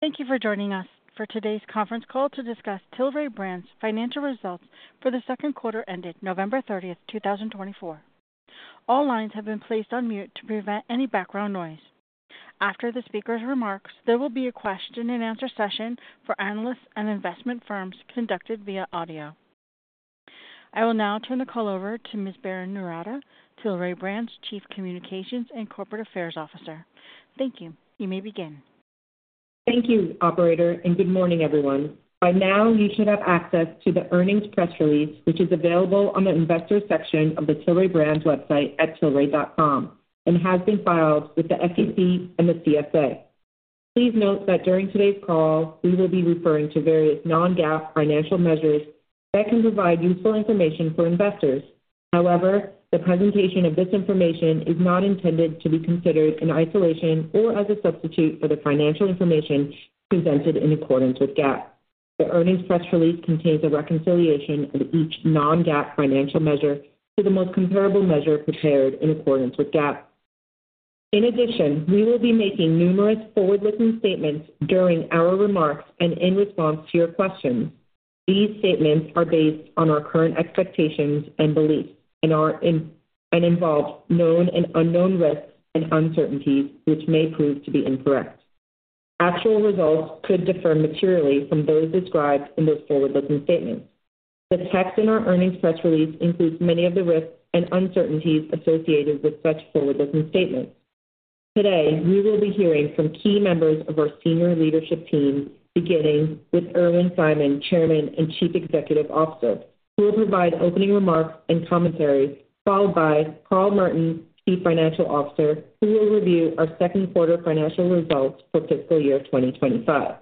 Thank you for joining us for today's conference call to discuss Tilray Brands' financial results for the second quarter ending November 30th, 2024. All lines have been placed on mute to prevent any background noise. After the speaker's remarks, there will be a question-and-answer session for analysts and investment firms conducted via audio. I will now turn the call over to Ms. Berrin Noorata, Tilray Brands' Chief Communications and Corporate Affairs Officer. Thank you. You may begin. Thank you, Operator, and good morning, everyone. By now, you should have access to the earnings press release, which is available on the investor section of the Tilray Brands website at tilray.com and has been filed with the SEC and the CSA. Please note that during today's call, we will be referring to various non-GAAP financial measures that can provide useful information for investors. However, the presentation of this information is not intended to be considered in isolation or as a substitute for the financial information presented in accordance with GAAP. The earnings press release contains a reconciliation of each non-GAAP financial measure to the most comparable measure prepared in accordance with GAAP. In addition, we will be making numerous forward-looking statements during our remarks and in response to your questions. These statements are based on our current expectations and beliefs and involve known and unknown risks and uncertainties, which may prove to be incorrect. Actual results could differ materially from those described in those forward-looking statements. The text in our earnings press release includes many of the risks and uncertainties associated with such forward-looking statements. Today, we will be hearing from key members of our senior leadership team, beginning with Irwin Simon, Chairman and Chief Executive Officer, who will provide opening remarks and commentary, followed by Carl Merton, Chief Financial Officer, who will review our second quarter financial results for fiscal year 2025.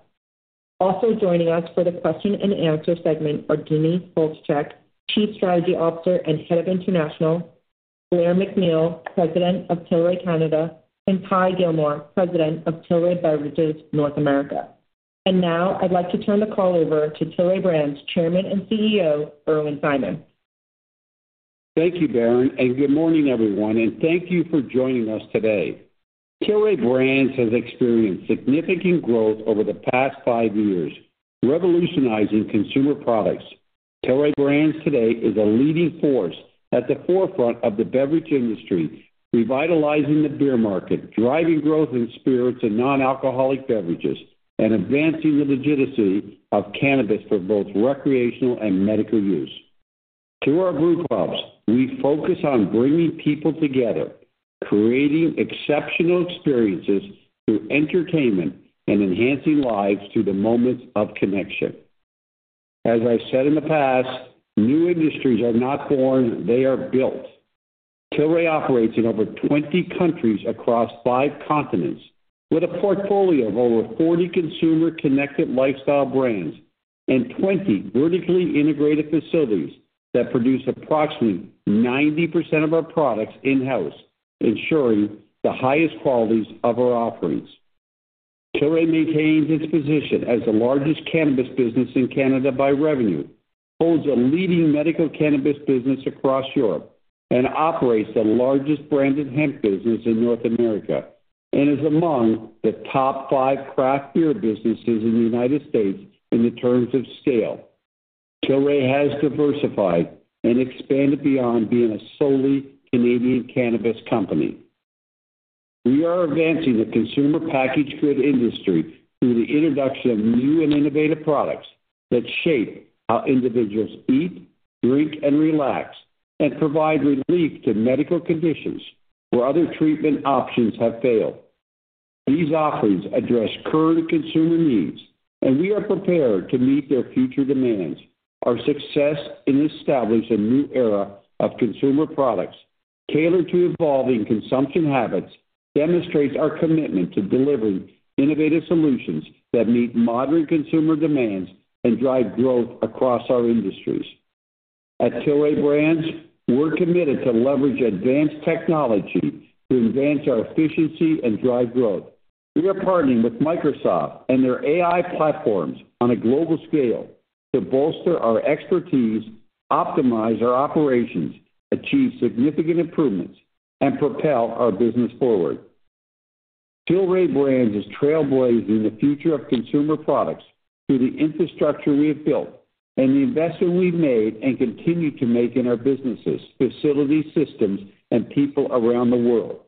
Also joining us for the question-and-answer segment are Denise Faltischek, Chief Strategy Officer and Head of International, Blair MacNeil, President of Tilray Canada, and Ty Gilmore, President of Tilray Beverages, North America. Now, I'd like to turn the call over to Tilray Brands' Chairman and CEO, Irwin Simon. Thank you, Berrin, and good morning, everyone, and thank you for joining us today. Tilray Brands has experienced significant growth over the past five years, revolutionizing consumer products. Tilray Brands today is a leading force at the forefront of the beverage industry, revitalizing the beer market, driving growth in spirits and non-alcoholic beverages, and advancing the legitimacy of cannabis for both recreational and medical use. Through our brew clubs, we focus on bringing people together, creating exceptional experiences through entertainment, and enhancing lives through the moments of connection. As I've said in the past, new industries are not born. They are built. Tilray operates in over 20 countries across five continents, with a portfolio of over 40 consumer-connected lifestyle brands and 20 vertically integrated facilities that produce approximately 90% of our products in-house, ensuring the highest qualities of our offerings. Tilray maintains its position as the largest cannabis business in Canada by revenue, holds a leading medical cannabis business across Europe, and operates the largest branded hemp business in North America, and is among the top five craft beer businesses in the United States in terms of scale. Tilray has diversified and expanded beyond being a solely Canadian cannabis company. We are advancing the consumer packaged good industry through the introduction of new and innovative products that shape how individuals eat, drink, and relax, and provide relief to medical conditions where other treatment options have failed. These offerings address current consumer needs, and we are prepared to meet their future demands. Our success in establishing a new era of consumer products tailored to evolving consumption habits demonstrates our commitment to delivering innovative solutions that meet modern consumer demands and drive growth across our industries. At Tilray Brands, we're committed to leverage advanced technology to advance our efficiency and drive growth. We are partnering with Microsoft and their AI platforms on a global scale to bolster our expertise, optimize our operations, achieve significant improvements, and propel our business forward. Tilray Brands is trailblazing the future of consumer products through the infrastructure we have built and the investment we've made and continue to make in our businesses, facilities, systems, and people around the world.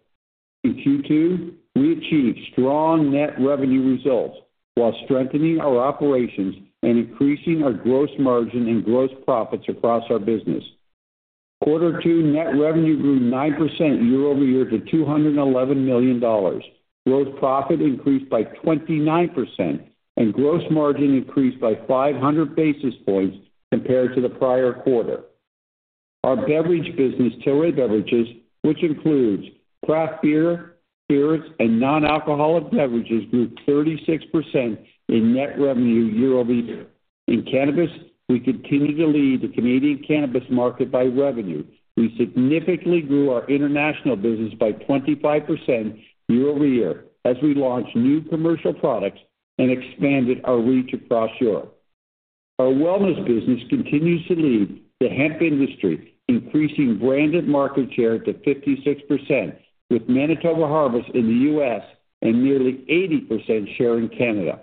In Q2, we achieved strong net revenue results while strengthening our operations and increasing our gross margin and gross profits across our business. Quarter two, net revenue grew 9% year over year to $211 million. Gross profit increased by 29%, and gross margin increased by 500 basis points compared to the prior quarter. Our beverage business, Tilray Beverages, which includes craft beer, spirits, and non-alcoholic beverages, grew 36% in net revenue year over year. In cannabis, we continue to lead the Canadian cannabis market by revenue. We significantly grew our international business by 25% year-over-year as we launched new commercial products and expanded our reach across Europe. Our wellness business continues to lead the hemp industry, increasing branded market share to 56% with Manitoba Harvest in the U.S. and nearly 80% share in Canada.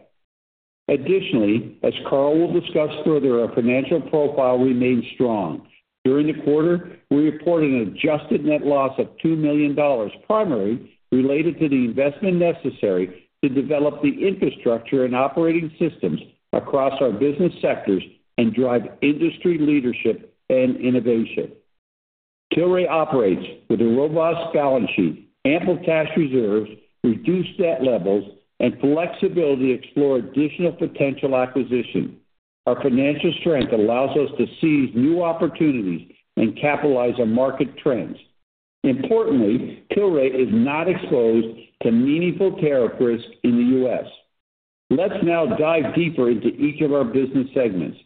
Additionally, as Carl will discuss further, our financial profile remains strong. During the quarter, we reported an adjusted net loss of $2 million, primarily related to the investment necessary to develop the infrastructure and operating systems across our business sectors and drive industry leadership and innovation. Tilray operates with a robust balance sheet, ample cash reserves, reduced debt levels, and flexibility to explore additional potential acquisitions. Our financial strength allows us to seize new opportunities and capitalize on market trends. Importantly, Tilray is not exposed to meaningful tariff risk in the U.S. Let's now dive deeper into each of our business segments.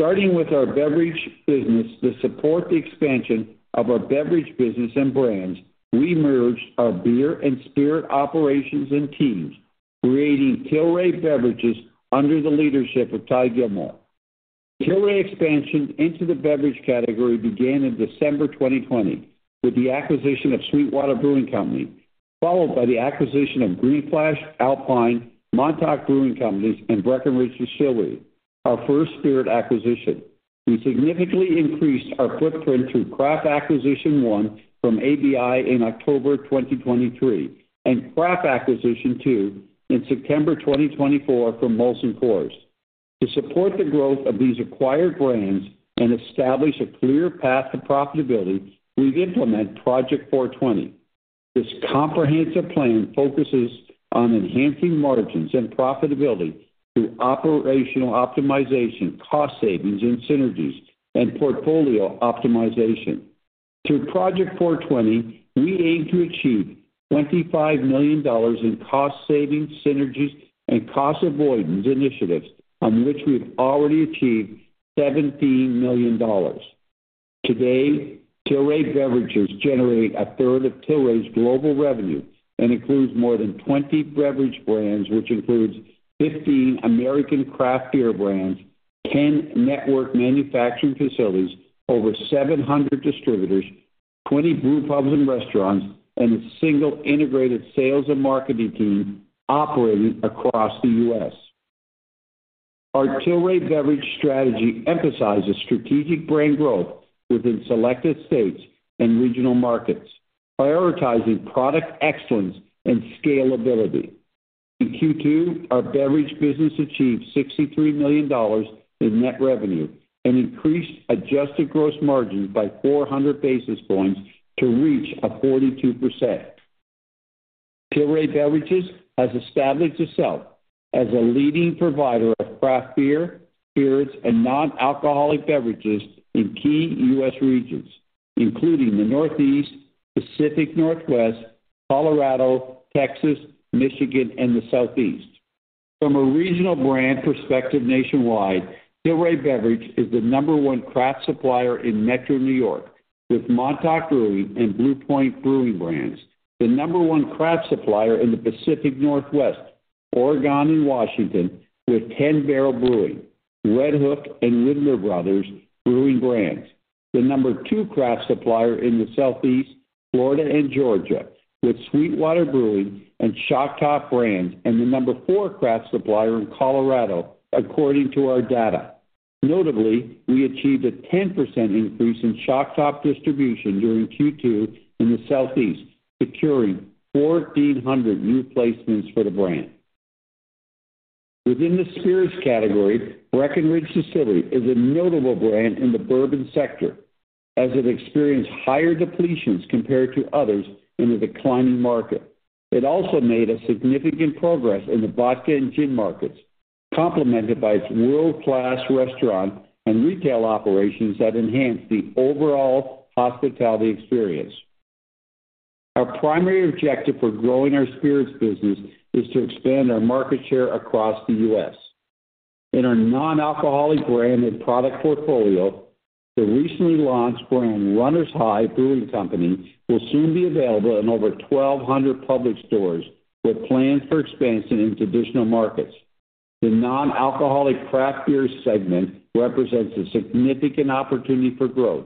Starting with our beverage business to support the expansion of our beverage business and brands, we merged our beer and spirit operations and teams, creating Tilray Beverages under the leadership of Ty Gilmore. Tilray expansion into the beverage category began in December 2020 with the acquisition of SweetWater Brewing Company, followed by the acquisition of Green Flash, Alpine, Montauk Brewing Company, and Breckenridge Distillery, our first spirit acquisition. We significantly increased our footprint through Craft Acquisition One from ABI in October 2023 and Craft Acquisition Two in September 2024 from Molson Coors. To support the growth of these acquired brands and establish a clear path to profitability, we've implemented Project 420. This comprehensive plan focuses on enhancing margins and profitability through operational optimization, cost savings, and synergies, and portfolio optimization. Through Project 420, we aim to achieve $25 million in cost savings, synergies, and cost avoidance initiatives, on which we've already achieved $17 million. Today, Tilray Beverages generates a third of Tilray's global revenue and includes more than 20 beverage brands, which includes 15 American craft beer brands, 10 network manufacturing facilities, over 700 distributors, 20 brew pubs and restaurants, and a single integrated sales and marketing team operating across the U.S. Our Tilray Beverage strategy emphasizes strategic brand growth within selected states and regional markets, prioritizing product excellence and scalability. In Q2, our beverage business achieved $63 million in net revenue and increased adjusted gross margins by 400 basis points to reach a 42%. Tilray Beverages has established itself as a leading provider of craft beer, spirits, and non-alcoholic beverages in key US regions, including the Northeast, Pacific Northwest, Colorado, Texas, Michigan, and the Southeast. From a regional brand perspective nationwide, Tilray Beverages is the number one craft supplier in Metro New York, with Montauk Brewing and Blue Point Brewing Brands, the number one craft supplier in the Pacific Northwest, Oregon and Washington, with 10 Barrel Brewing, Redhook, and Widmer Brothers Brewing Brands, the number two craft supplier in the Southeast, Florida and Georgia, with Sweetwater Brewing and Shock Top Brands, and the number four craft supplier in Colorado, according to our data. Notably, we achieved a 10% increase in Shock Top distribution during Q2 in the Southeast, securing 1,400 new placements for the brand. Within the spirits category, Breckenridge Distillery is a notable brand in the bourbon sector, as it experienced higher depletions compared to others in the declining market. It also made significant progress in the vodka and gin markets, complemented by its world-class restaurant and retail operations that enhance the overall hospitality experience. Our primary objective for growing our spirits business is to expand our market share across the U.S. In our non-alcoholic branded product portfolio, the recently launched brand Runner's High Brewing Company will soon be available in over 1,200 public stores, with plans for expansion into additional markets. The non-alcoholic craft beer segment represents a significant opportunity for growth,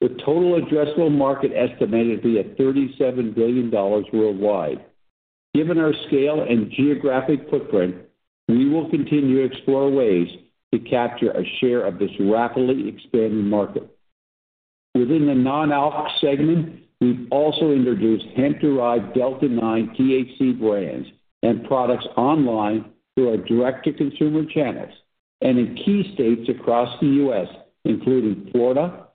with total addressable market estimated to be at $37 billion worldwide. Given our scale and geographic footprint, we will continue to explore ways to capture a share of this rapidly expanding market. Within the non-alc segment, we've also introduced hemp-derived Delta-9 THC brands and products online through our direct-to-consumer channels and in key states across the U.S., including Florida,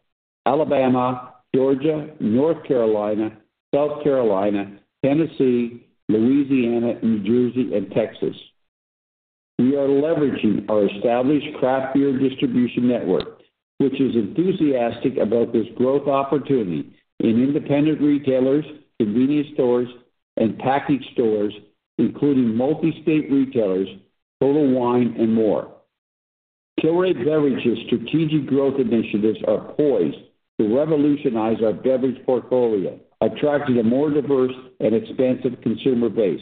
Alabama, Georgia, North Carolina, South Carolina, Tennessee, Louisiana, New Jersey, and Texas. We are leveraging our established craft beer distribution network, which is enthusiastic about this growth opportunity in independent retailers, convenience stores, and package stores, including multi-state retailers, Total Wine, and more. Tilray Beverages' strategic growth initiatives are poised to revolutionize our beverage portfolio, attracting a more diverse and expansive consumer base.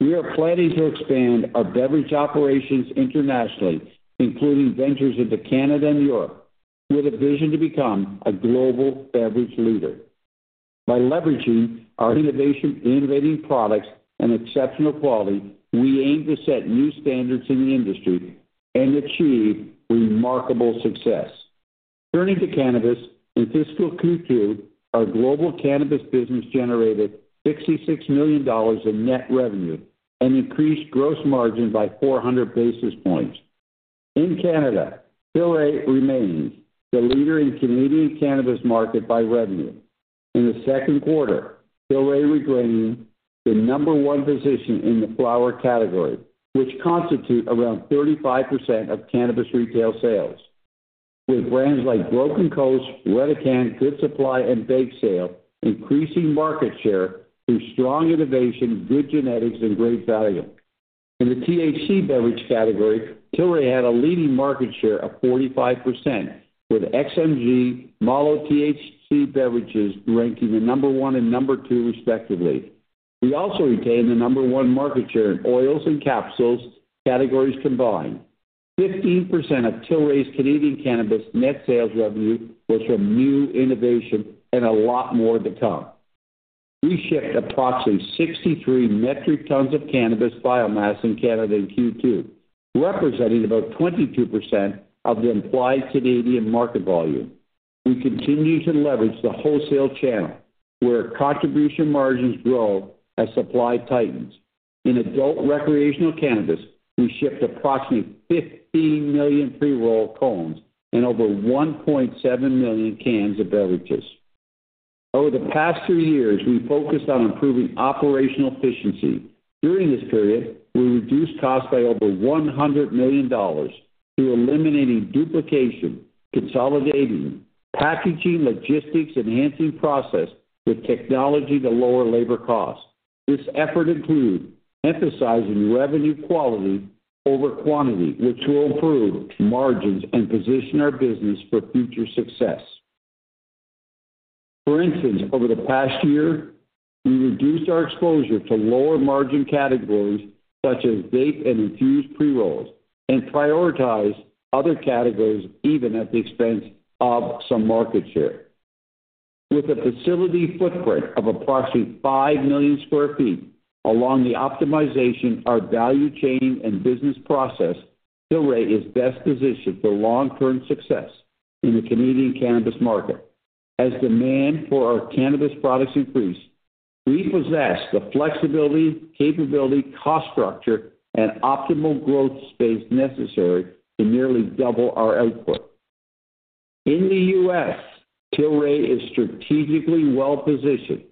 We are planning to expand our beverage operations internationally, including ventures into Canada and Europe, with a vision to become a global beverage leader. By leveraging our innovative products and exceptional quality, we aim to set new standards in the industry and achieve remarkable success. Turning to cannabis, in fiscal Q2, our global cannabis business generated $66 million in net revenue and increased gross margin by 400 basis points. In Canada, Tilray remains the leader in the Canadian cannabis market by revenue. In the second quarter, Tilray regained the number one position in the flower category, which constitutes around 35% of cannabis retail sales, with brands like Broken Coast, Redecan, Good Supply, and Bake Sale increasing market share through strong innovation, good genetics, and great value. In the THC beverage category, Tilray had a leading market share of 45%, with XMG Mollo THC Beverages ranking the number one and number two, respectively. We also retained the number one market share in oils and capsules categories combined. 15% of Tilray's Canadian cannabis net sales revenue was from new innovation, and a lot more to come. We shipped approximately 63 metric tons of cannabis biomass in Canada in Q2, representing about 22% of the implied Canadian market volume. We continue to leverage the wholesale channel, where contribution margins grow as supply tightens. In adult recreational cannabis, we shipped approximately 15 million pre-roll cones and over 1.7 million cans of beverages. Over the past three years, we focused on improving operational efficiency. During this period, we reduced costs by over $100 million through eliminating duplication, consolidating, packaging, logistics, enhancing process with technology to lower labor costs. This effort includes emphasizing revenue quality over quantity, which will improve margins and position our business for future success. For instance, over the past year, we reduced our exposure to lower margin categories such as vape and infused pre-rolls and prioritized other categories even at the expense of some market share. With a facility footprint of approximately 5 million sq ft along the optimization of our value chain and business process, Tilray is best positioned for long-term success in the Canadian cannabis market. As demand for our cannabis products increased, we possess the flexibility, capability, cost structure, and optimal growth space necessary to nearly double our output. In the U.S., Tilray is strategically well positioned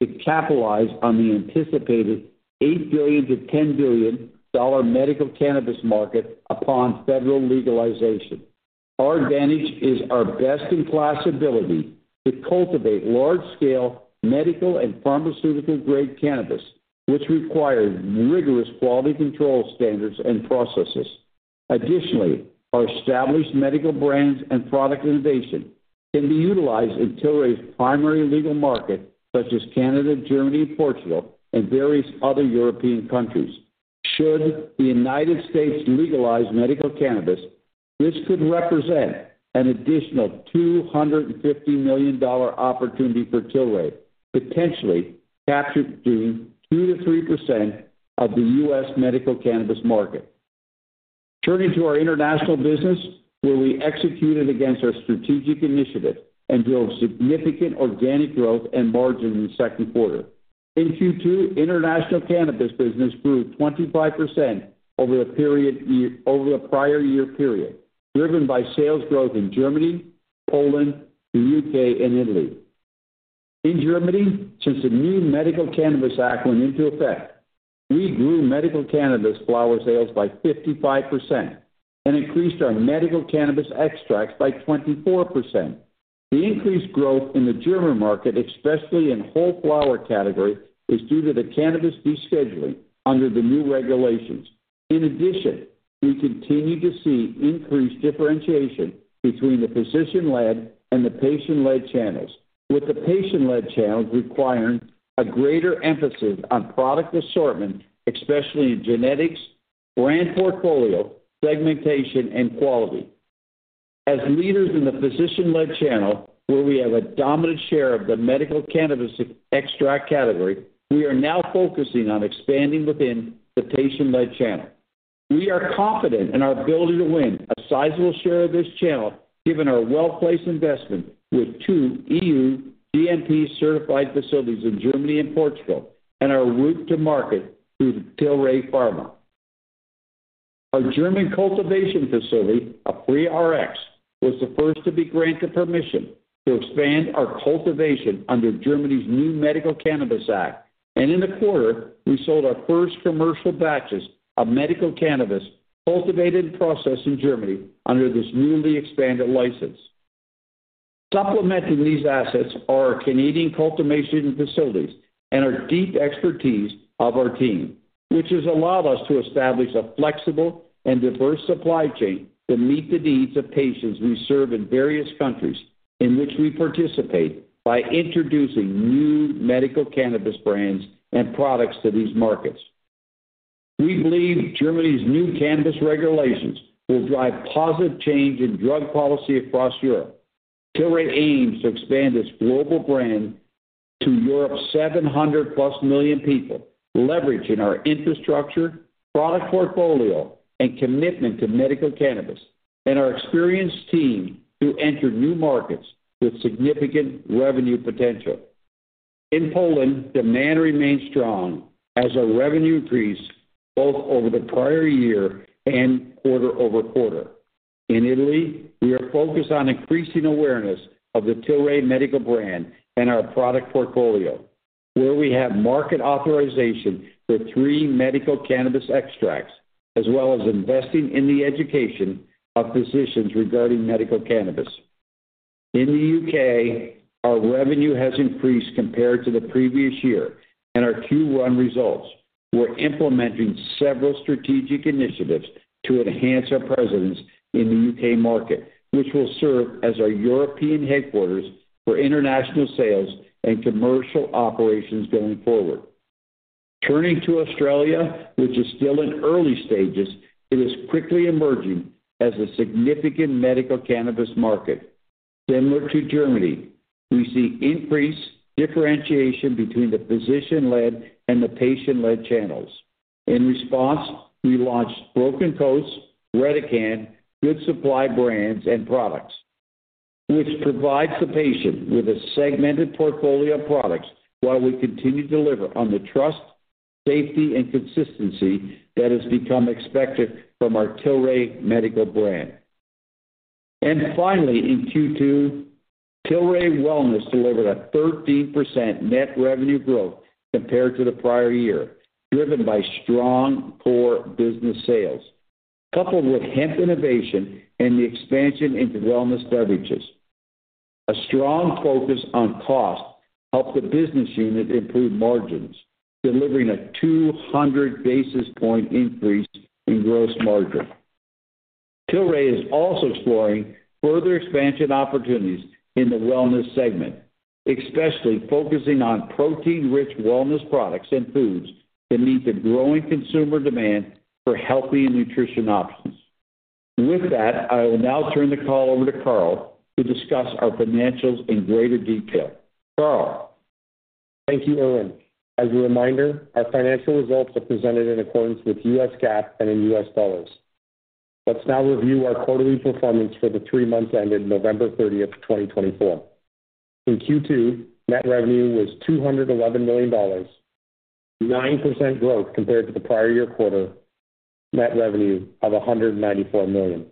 to capitalize on the anticipated $8 billion-$10 billion medical cannabis market upon federal legalization. Our advantage is our best-in-class ability to cultivate large-scale medical and pharmaceutical-grade cannabis, which requires rigorous quality control standards and processes. Additionally, our established medical brands and product innovation can be utilized in Tilray's primary legal market, such as Canada, Germany, Portugal, and various other European countries. Should the United States legalize medical cannabis, this could represent an additional $250 million opportunity for Tilray, potentially capturing 2%-3% of the U.S. medical cannabis market. Turning to our international business, where we executed against our strategic initiative and drove significant organic growth and margin in the second quarter. In Q2, international cannabis business grew 25% over the prior year period, driven by sales growth in Germany, Poland, the U.K., and Italy. In Germany, since the new medical cannabis act went into effect, we grew medical cannabis flower sales by 55% and increased our medical cannabis extracts by 24%. The increased growth in the German market, especially in the whole flower category, is due to the cannabis rescheduling under the new regulations. In addition, we continue to see increased differentiation between the physician-led and the patient-led channels, with the patient-led channels requiring a greater emphasis on product assortment, especially in genetics, brand portfolio, segmentation, and quality. As leaders in the physician-led channel, where we have a dominant share of the medical cannabis extract category, we are now focusing on expanding within the patient-led channel. We are confident in our ability to win a sizable share of this channel, given our well-placed investment with two EU GMP-certified facilities in Germany and Portugal, and our route to market through Tilray Pharma. Our German cultivation facility, Aphria RX, was the first to be granted permission to expand our cultivation under Germany's new medical cannabis act, and in the quarter, we sold our first commercial batches of medical cannabis cultivated and processed in Germany under this newly expanded license. Supplementing these assets are our Canadian cultivation facilities and our deep expertise of our team, which has allowed us to establish a flexible and diverse supply chain to meet the needs of patients we serve in various countries in which we participate by introducing new medical cannabis brands and products to these markets. We believe Germany's new cannabis regulations will drive positive change in drug policy across Europe. Tilray aims to expand its global brand to Europe's 700-plus million people, leveraging our infrastructure, product portfolio, and commitment to medical cannabis, and our experienced team to enter new markets with significant revenue potential. In Poland, demand remains strong as our revenue increased both over the prior year and quarter-over-quarter. In Italy, we are focused on increasing awareness of the Tilray medical brand and our product portfolio, where we have market authorization for three medical cannabis extracts, as well as investing in the education of physicians regarding medical cannabis. In the U.K., our revenue has increased compared to the previous year, and our Q1 results. We're implementing several strategic initiatives to enhance our presence in the U.K. market, which will serve as our European headquarters for international sales and commercial operations going forward. Turning to Australia, which is still in early stages, it is quickly emerging as a significant medical cannabis market. Similar to Germany, we see increased differentiation between the physician-led and the patient-led channels. In response, we launched Broken Coast, Redecan, Good Supply brands, and products, which provide the patient with a segmented portfolio of products while we continue to deliver on the trust, safety, and consistency that has become expected from our Tilray medical brand, and finally, in Q2, Tilray Wellness delivered a 13% net revenue growth compared to the prior year, driven by strong core business sales, coupled with hemp innovation and the expansion into wellness beverages. A strong focus on cost helped the business unit improve margins, delivering a 200 basis point increase in gross margin. Tilray is also exploring further expansion opportunities in the wellness segment, especially focusing on protein-rich wellness products and foods to meet the growing consumer demand for healthy and nutritious options. With that, I will now turn the call over to Carl to discuss our financials in greater detail. Carl. Thank you, Irwin. As a reminder, our financial results are presented in accordance with U.S. GAAP and in U.S. dollars. Let's now review our quarterly performance for the three months ended November 30, 2024. In Q2, net revenue was $211 million, 9% growth compared to the prior year quarter, net revenue of $194 million.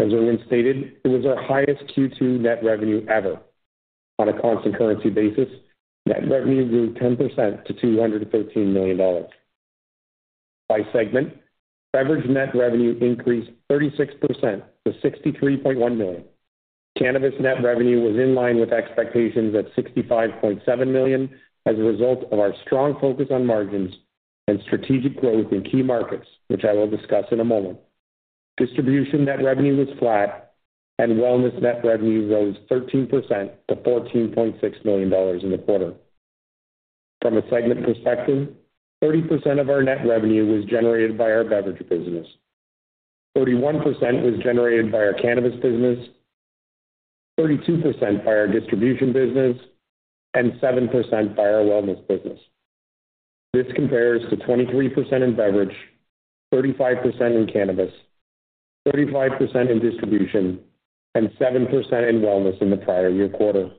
As Irwin stated, it was our highest Q2 net revenue ever. On a constant currency basis, net revenue grew 10% to $213 million. By segment, beverage net revenue increased 36% to $63.1 million. Cannabis net revenue was in line with expectations at $65.7 million as a result of our strong focus on margins and strategic growth in key markets, which I will discuss in a moment. Distribution net revenue was flat, and wellness net revenue rose 13% to $14.6 million in the quarter. From a segment perspective, 30% of our net revenue was generated by our beverage business, 31% was generated by our cannabis business, 32% by our distribution business, and 7% by our wellness business. This compares to 23% in beverage, 35% in cannabis, 35% in distribution, and 7% in wellness in the prior year quarter.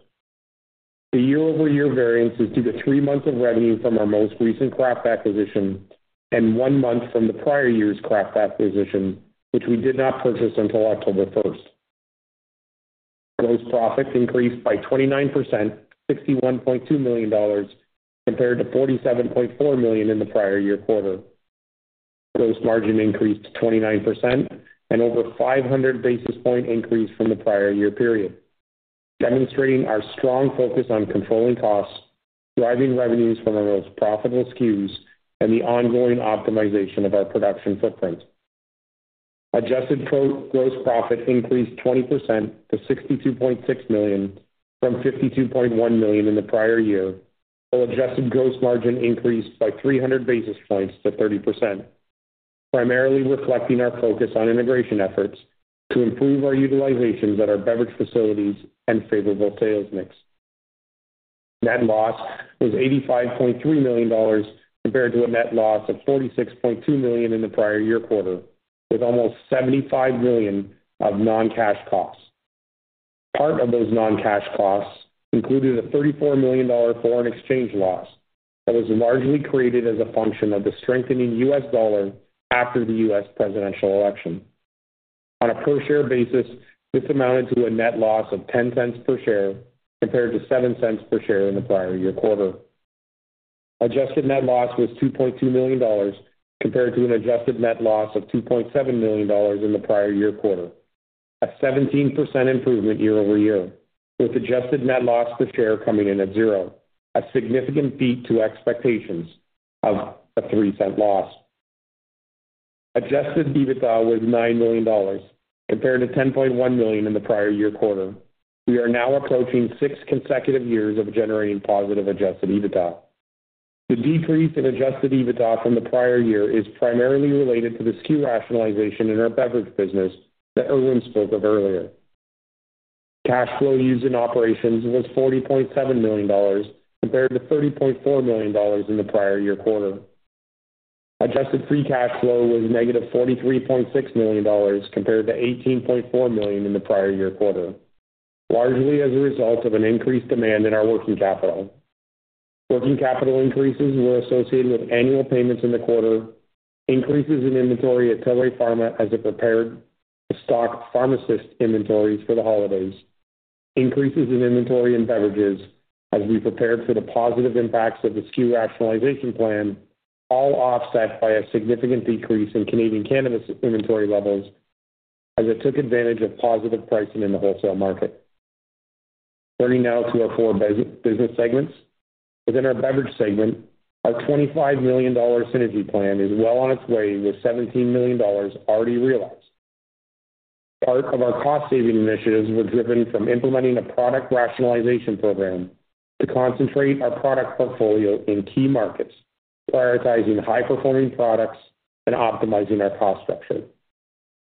The year-over-year variance is due to three months of revenue from our most recent craft acquisition and one month from the prior year's craft acquisition, which we did not purchase until October 1. Gross profit increased by 29% to $61.2 million compared to $47.4 million in the prior year quarter. Gross margin increased 29% and over 500 basis points increase from the prior year period, demonstrating our strong focus on controlling costs, driving revenues from our most profitable SKUs, and the ongoing optimization of our production footprint. Adjusted gross profit increased 20% to $62.6 million from $52.1 million in the prior year, while adjusted gross margin increased by 300 basis points to 30%, primarily reflecting our focus on integration efforts to improve our utilizations at our beverage facilities and favorable sales mix. Net loss was $85.3 million compared to a net loss of $46.2 million in the prior year quarter, with almost $75 million of non-cash costs. Part of those non-cash costs included a $34 million foreign exchange loss that was largely created as a function of the strengthening U.S. dollar after the U.S. presidential election. On a per-share basis, this amounted to a net loss of $0.10 per share compared to $0.07 per share in the prior year quarter. Adjusted net loss was $2.2 million compared to an adjusted net loss of $2.7 million in the prior year quarter, a 17% improvement year-over-year, with adjusted net loss per share coming in at zero, a significant beat to expectations of a $0.03 loss. Adjusted EBITDA was $9 million compared to $10.1 million in the prior year quarter. We are now approaching six consecutive years of generating positive adjusted EBITDA. The decrease in adjusted EBITDA from the prior year is primarily related to the SKU rationalization in our beverage business that Irwin spoke of earlier. Cash flow used in operations was $40.7 million compared to $30.4 million in the prior year quarter. Adjusted free cash flow was negative $43.6 million compared to $18.4 million in the prior year quarter, largely as a result of an increased demand in our working capital. Working capital increases were associated with annual payments in the quarter, increases in inventory at Tilray Pharma as it prepared the stock pharmacist inventories for the holidays, increases in inventory in beverages as we prepared for the positive impacts of the SKU rationalization plan, all offset by a significant decrease in Canadian cannabis inventory levels as it took advantage of positive pricing in the wholesale market. Turning now to our four business segments. Within our beverage segment, our $25 million synergy plan is well on its way with $17 million already realized. Part of our cost-saving initiatives were driven from implementing a product rationalization program to concentrate our product portfolio in key markets, prioritizing high-performing products and optimizing our cost structure.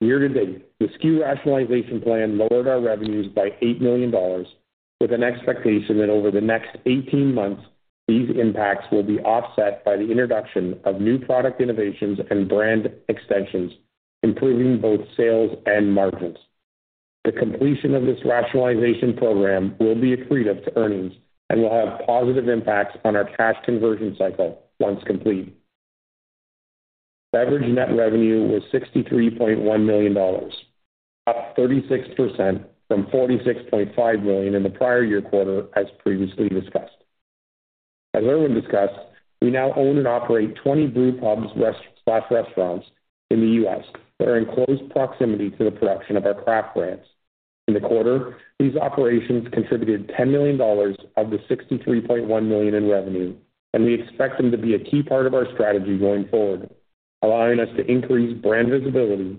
Year-to-date, the SKU rationalization plan lowered our revenues by $8 million, with an expectation that over the next 18 months, these impacts will be offset by the introduction of new product innovations and brand extensions, improving both sales and margins. The completion of this rationalization program will be accretive to earnings and will have positive impacts on our cash conversion cycle once complete. Beverage net revenue was $63.1 million, up 36% from $46.5 million in the prior year quarter, as previously discussed. As Irwin discussed, we now own and operate 20 brew pubs/restaurants in the U.S. that are in close proximity to the production of our craft brands. In the quarter, these operations contributed $10 million of the $63.1 million in revenue, and we expect them to be a key part of our strategy going forward, allowing us to increase brand visibility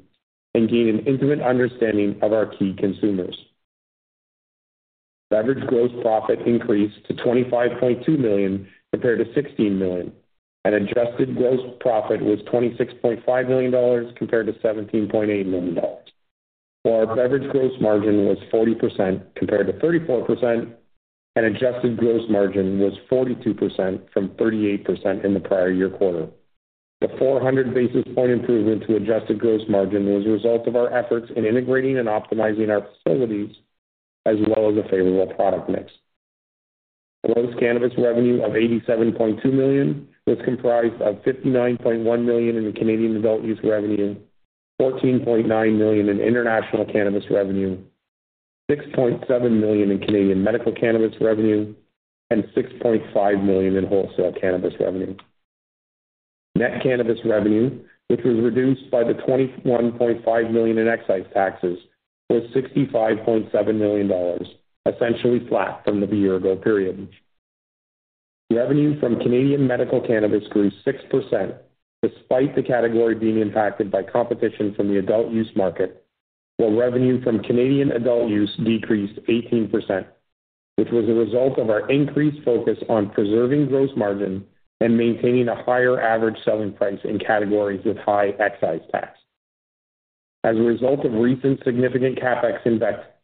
and gain an intimate understanding of our key consumers. Beverage gross profit increased to $25.2 million compared to $16 million, and adjusted gross profit was $26.5 million compared to $17.8 million. While our beverage gross margin was 40% compared to 34%, and adjusted gross margin was 42% from 38% in the prior year quarter. The 400 basis point improvement to adjusted gross margin was a result of our efforts in integrating and optimizing our facilities, as well as a favorable product mix. Gross cannabis revenue of $87.2 million was comprised of $59.1 million in Canadian adult use revenue, $14.9 million in international cannabis revenue, $6.7 million in Canadian medical cannabis revenue, and $6.5 million in wholesale cannabis revenue. Net cannabis revenue, which was reduced by the $21.5 million in excise taxes, was $65.7 million, essentially flat from the year-ago period. Revenue from Canadian medical cannabis grew 6% despite the category being impacted by competition from the adult use market, while revenue from Canadian adult use decreased 18%, which was a result of our increased focus on preserving gross margin and maintaining a higher average selling price in categories with high excise tax. As a result of recent significant CapEx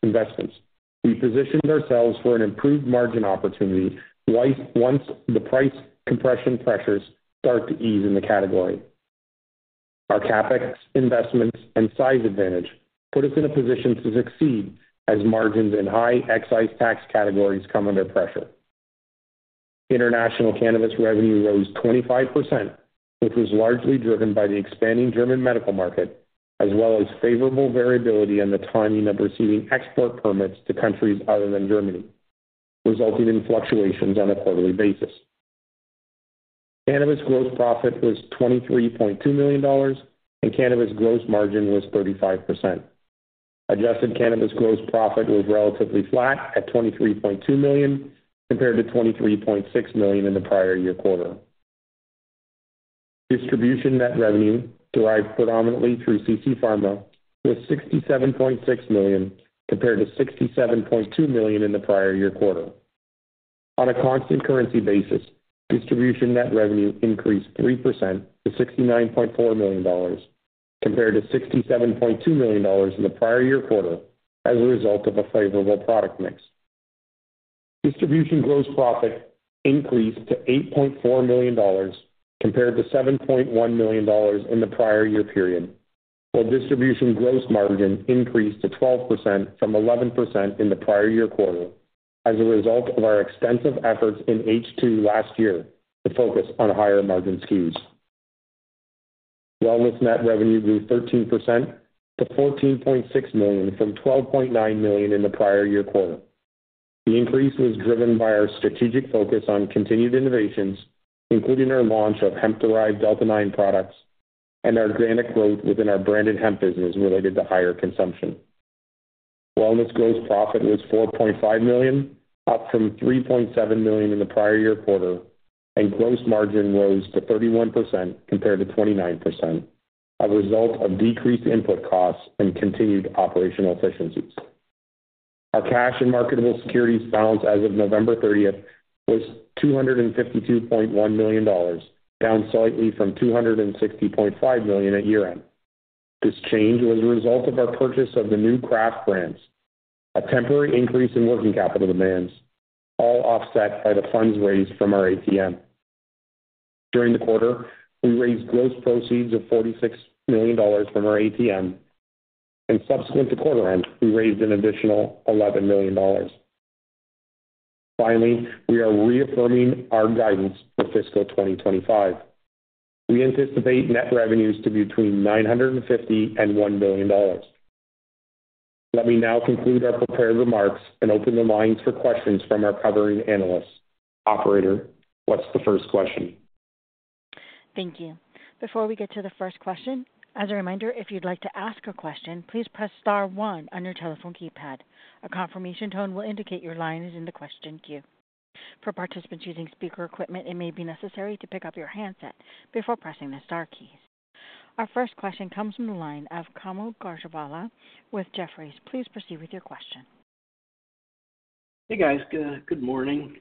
investments, we positioned ourselves for an improved margin opportunity once the price compression pressures start to ease in the category. Our CapEx investments and size advantage put us in a position to succeed as margins in high excise tax categories come under pressure. International cannabis revenue rose 25%, which was largely driven by the expanding German medical market, as well as favorable variability in the timing of receiving export permits to countries other than Germany, resulting in fluctuations on a quarterly basis. Cannabis gross profit was $23.2 million, and cannabis gross margin was 35%. Adjusted cannabis gross profit was relatively flat at $23.2 million compared to $23.6 million in the prior year quarter. Distribution net revenue, derived predominantly through CC Pharma, was $67.6 million compared to $67.2 million in the prior year quarter. On a constant currency basis, distribution net revenue increased 3% to $69.4 million compared to $67.2 million in the prior year quarter as a result of a favorable product mix. Distribution gross profit increased to $8.4 million compared to $7.1 million in the prior year period, while distribution gross margin increased to 12% from 11% in the prior year quarter as a result of our extensive efforts in H2 last year to focus on higher margin SKUs. Wellness net revenue grew 13% to $14.6 million from $12.9 million in the prior year quarter. The increase was driven by our strategic focus on continued innovations, including our launch of hemp-derived Delta-9 products and our granular growth within our branded hemp business related to higher consumption. Wellness gross profit was $4.5 million, up from $3.7 million in the prior year quarter, and gross margin rose to 31% compared to 29%, a result of decreased input costs and continued operational efficiencies. Our cash and marketable securities balance as of November 30 was $252.1 million, down slightly from $260.5 million at year-end. This change was a result of our purchase of the new craft brands, a temporary increase in working capital demands, all offset by the funds raised from our ATM. During the quarter, we raised gross proceeds of $46 million from our ATM, and subsequent to quarter-end, we raised an additional $11 million. Finally, we are reaffirming our guidance for fiscal 2025. We anticipate net revenues to be between $950 and $1 billion. Let me now conclude our prepared remarks and open the lines for questions from our covering analyst. Operator, what's the first question? Thank you. Before we get to the first question, as a reminder, if you'd like to ask a question, please press star one on your telephone keypad. A confirmation tone will indicate your line is in the question queue. For participants using speaker equipment, it may be necessary to pick up your handset before pressing the star keys. Our first question comes from the line of Kaumil Gajrawala with Jefferies. Please proceed with your question. Hey, guys. Good morning.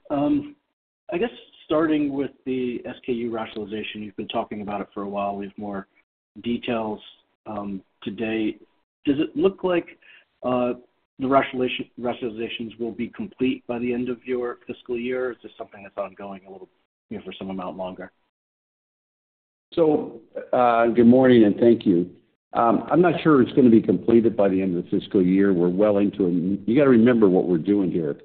I guess starting with the SKU rationalization, you've been talking about it for a while. We have more details to date. Does it look like the rationalizations will be complete by the end of your fiscal year? Is this something that's ongoing a little for some amount longer? So good morning and thank you. I'm not sure it's going to be completed by the end of the fiscal year. We're well into it. You got to remember what we're doing here.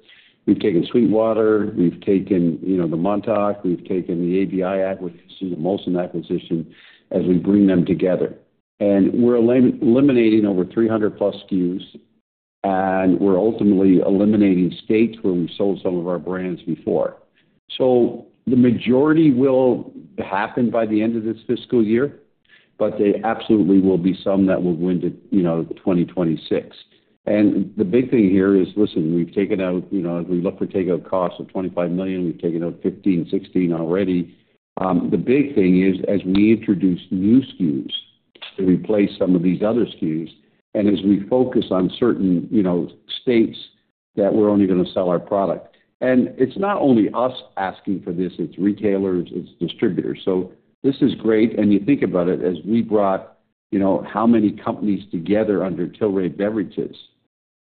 We've taken SweetWater, we've taken the Montauk, we've taken the ABI acquisition, the Molson acquisition, as we bring them together. And we're eliminating over 300+ SKUs, and we're ultimately eliminating states where we sold some of our brands before. So the majority will happen by the end of this fiscal year, but there absolutely will be some that will go into 2026. And the big thing here is, listen, we've taken out, as we look for takeout costs of $25 million, we've taken out 15, 16 already. The big thing is, as we introduce new SKUs to replace some of these other SKUs, and as we focus on certain states that we're only going to sell our product. And it's not only us asking for this, it's retailers, it's distributors. So this is great. And you think about it, as we brought how many companies together under Tilray Beverages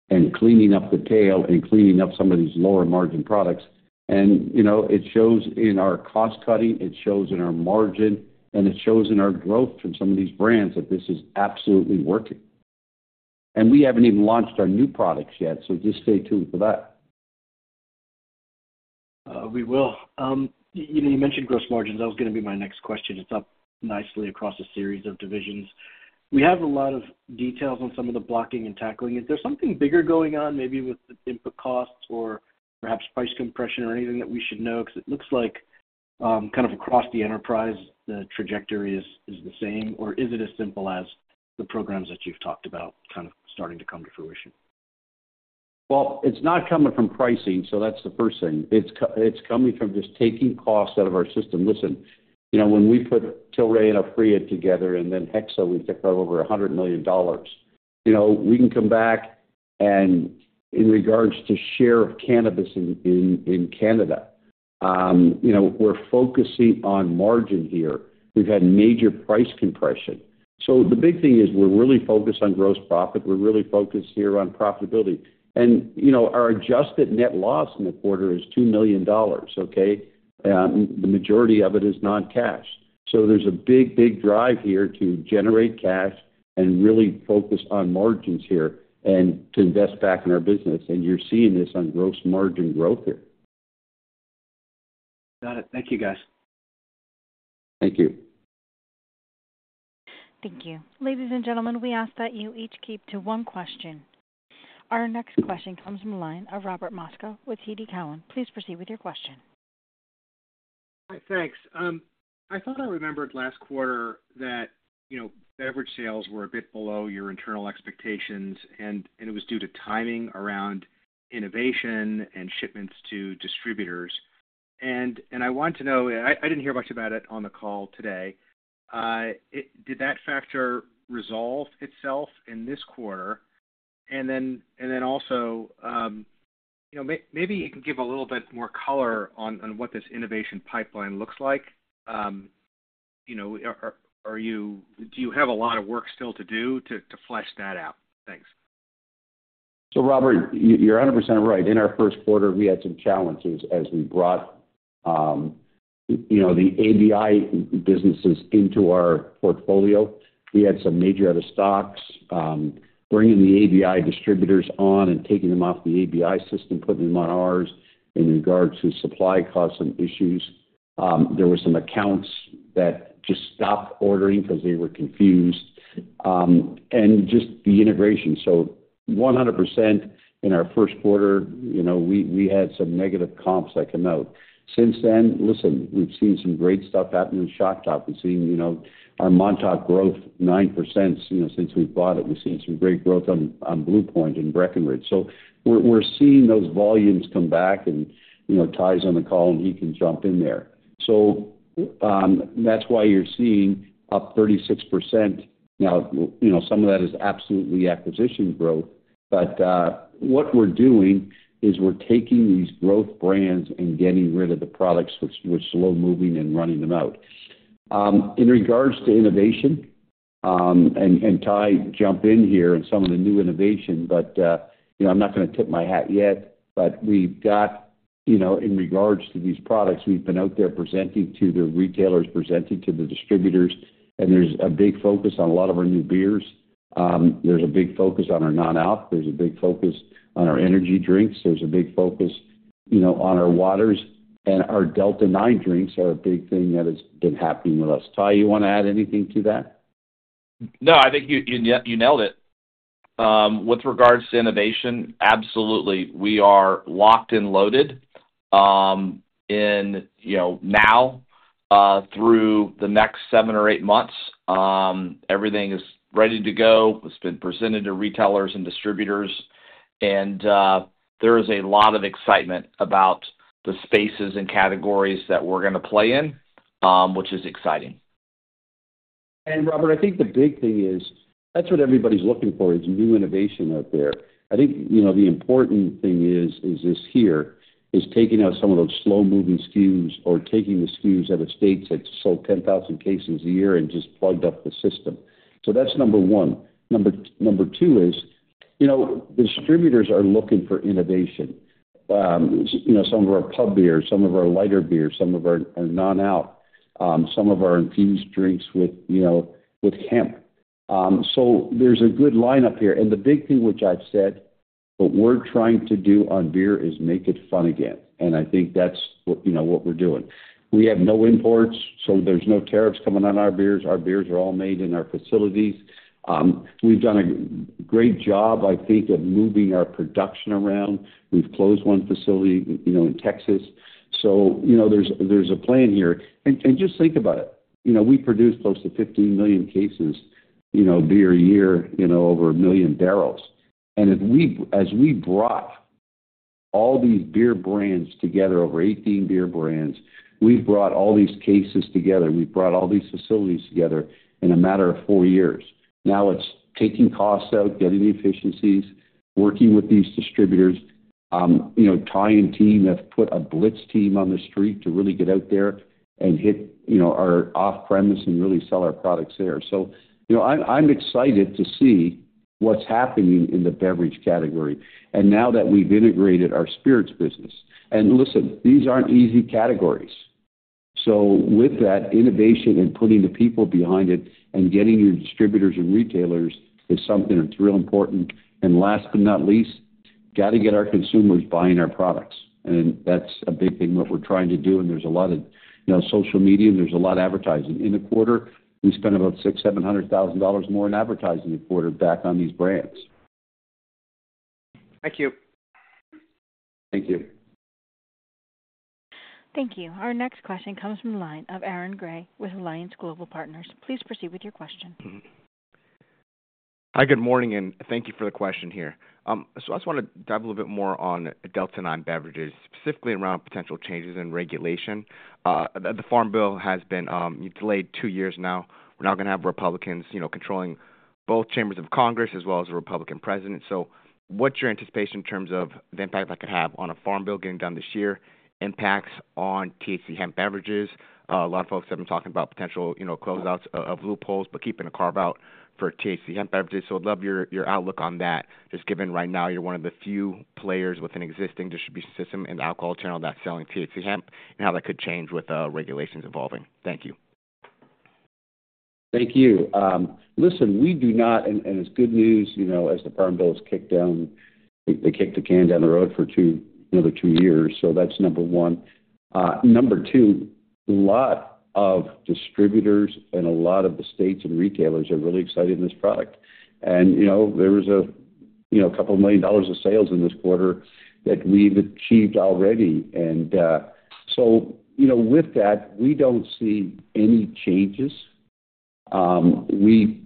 and cleaning up the tail and cleaning up some of these lower-margin products. And it shows in our cost cutting, it shows in our margin, and it shows in our growth from some of these brands that this is absolutely working. And we haven't even launched our new products yet, so just stay tuned for that. We will. You mentioned gross margins. That was going to be my next question. It's up nicely across a series of divisions. We have a lot of details on some of the blocking and tackling. Is there something bigger going on, maybe with input costs or perhaps price compression or anything that we should know? Because it looks like kind of across the enterprise, the trajectory is the same. Or is it as simple as the programs that you've talked about kind of starting to come to fruition? Well, it's not coming from pricing, so that's the first thing. It's coming from just taking costs out of our system. Listen, when we put Tilray and Aphria together and then Hexo, we took out over $100 million. We can come back and in regards to share of cannabis in Canada, we're focusing on margin here. We've had major price compression. So the big thing is we're really focused on gross profit. We're really focused here on profitability. And our adjusted net loss in the quarter is $2 million, okay? The majority of it is non-cash. So there's a big, big drive here to generate cash and really focus on margins here and to invest back in our business. And you're seeing this on gross margin growth here. Got it. Thank you, guys. Thank you. Thank you. Ladies and gentlemen, we ask that you each keep to one question. Our next question comes from the line of Robert Moskow with TD Cowen. Please proceed with your question. Thanks. I thought I remembered last quarter that beverage sales were a bit below your internal expectations, and it was due to timing around innovation and shipments to distributors. And I wanted to know, I didn't hear much about it on the call today. Did that factor resolve itself in this quarter? And then also, maybe you can give a little bit more color on what this innovation pipeline looks like. Do you have a lot of work still to do to flesh that out? Thanks. So Robert, you're 100% right. In our first quarter, we had some challenges as we brought the ABI businesses into our portfolio. We had some major out-of-stocks, bringing the ABI distributors on and taking them off the ABI system, putting them on ours in regards to supply costs and issues. There were some accounts that just stopped ordering because they were confused, and just the integration, so 100% in our first quarter, we had some negative comps I can note. Since then, listen, we've seen some great stuff happen in Shock Top. We've seen our Montauk growth 9% since we bought it. We've seen some great growth on Blue Point and Breckenridge, so we're seeing those volumes come back, and Ty's on the call, and he can jump in there, so that's why you're seeing up 36%. Now, some of that is absolutely acquisition growth, but what we're doing is we're taking these growth brands and getting rid of the products which are slow-moving and running them out. In regards to innovation, and Ty jump in here on some of the new innovation, but I'm not going to tip my hat yet, but we've got, in regards to these products, we've been out there presenting to the retailers, presenting to the distributors, and there's a big focus on a lot of our new beers. There's a big focus on our non-alk. There's a big focus on our energy drinks. There's a big focus on our waters, and our Delta-9 drinks are a big thing that has been happening with us. Ty, you want to add anything to that? No, I think you nailed it. With regards to innovation, absolutely. We are locked and loaded. And now, through the next seven or eight months, everything is ready to go. It's been presented to retailers and distributors. There is a lot of excitement about the spaces and categories that we're going to play in, which is exciting. And Robert, I think the big thing is that's what everybody's looking for, is new innovation out there. I think the important thing is this here, is taking out some of those slow-moving SKUs or taking the SKUs out of states that sold 10,000 cases a year and just plugged up the system. So that's number one. Number two is distributors are looking for innovation. Some of our pub beers, some of our lighter beers, some of our non-alk, some of our infused drinks with hemp. So there's a good lineup here. And the big thing which I've said, what we're trying to do on beer is make it fun again. And I think that's what we're doing. We have no imports, so there's no tariffs coming on our beers. Our beers are all made in our facilities. We've done a great job, I think, of moving our production around. We've closed one facility in Texas. There's a plan here. And just think about it. We produce close to 15 million cases beer a year, over a million barrels. As we brought all these beer brands together, over 18 beer brands, we've brought all these cases together. We've brought all these facilities together in a matter of four years. Now it's taking costs out, getting the efficiencies, working with these distributors. Ty and team have put a Blitz team on the street to really get out there and hit our off-premise and really sell our products there. I'm excited to see what's happening in the beverage category. Now that we've integrated our spirits business. And listen, these aren't easy categories. So with that innovation and putting the people behind it and getting your distributors and retailers is something that's real important. And last but not least, got to get our consumers buying our products. And that's a big thing that we're trying to do. And there's a lot of social media, and there's a lot of advertising. In a quarter, we spent about $600,000-$700,000 more in advertising a quarter back on these brands. Thank you. Thank you. Thank you. Our next question comes from the line of Aaron Grey with Alliance Global Partners. Please proceed with your question. Hi, good morning, and thank you for the question here. So I just want to dive a little bit more on Delta-9 beverages, specifically around potential changes in regulation. The Farm Bill has been delayed two years now. We're now going to have Republicans controlling both chambers of Congress as well as the Republican president. So what's your anticipation in terms of the impact that could have on a Farm Bill getting done this year, impacts on THC hemp beverages? A lot of folks have been talking about potential closeouts of loopholes, but keeping a carve-out for THC hemp beverages. So I'd love your outlook on that, just given right now you're one of the few players with an existing distribution system and alcohol channel that's selling THC hemp and how that could change with regulations evolving. Thank you. Thank you. Listen, we do not, and it's good news as the Farm Bill is kicked down, they kicked the can down the road for another two years. So that's number one. Number two, a lot of distributors and a lot of the states and retailers are really excited in this product. And there was $2 million of sales in this quarter that we've achieved already. And so with that, we don't see any changes. We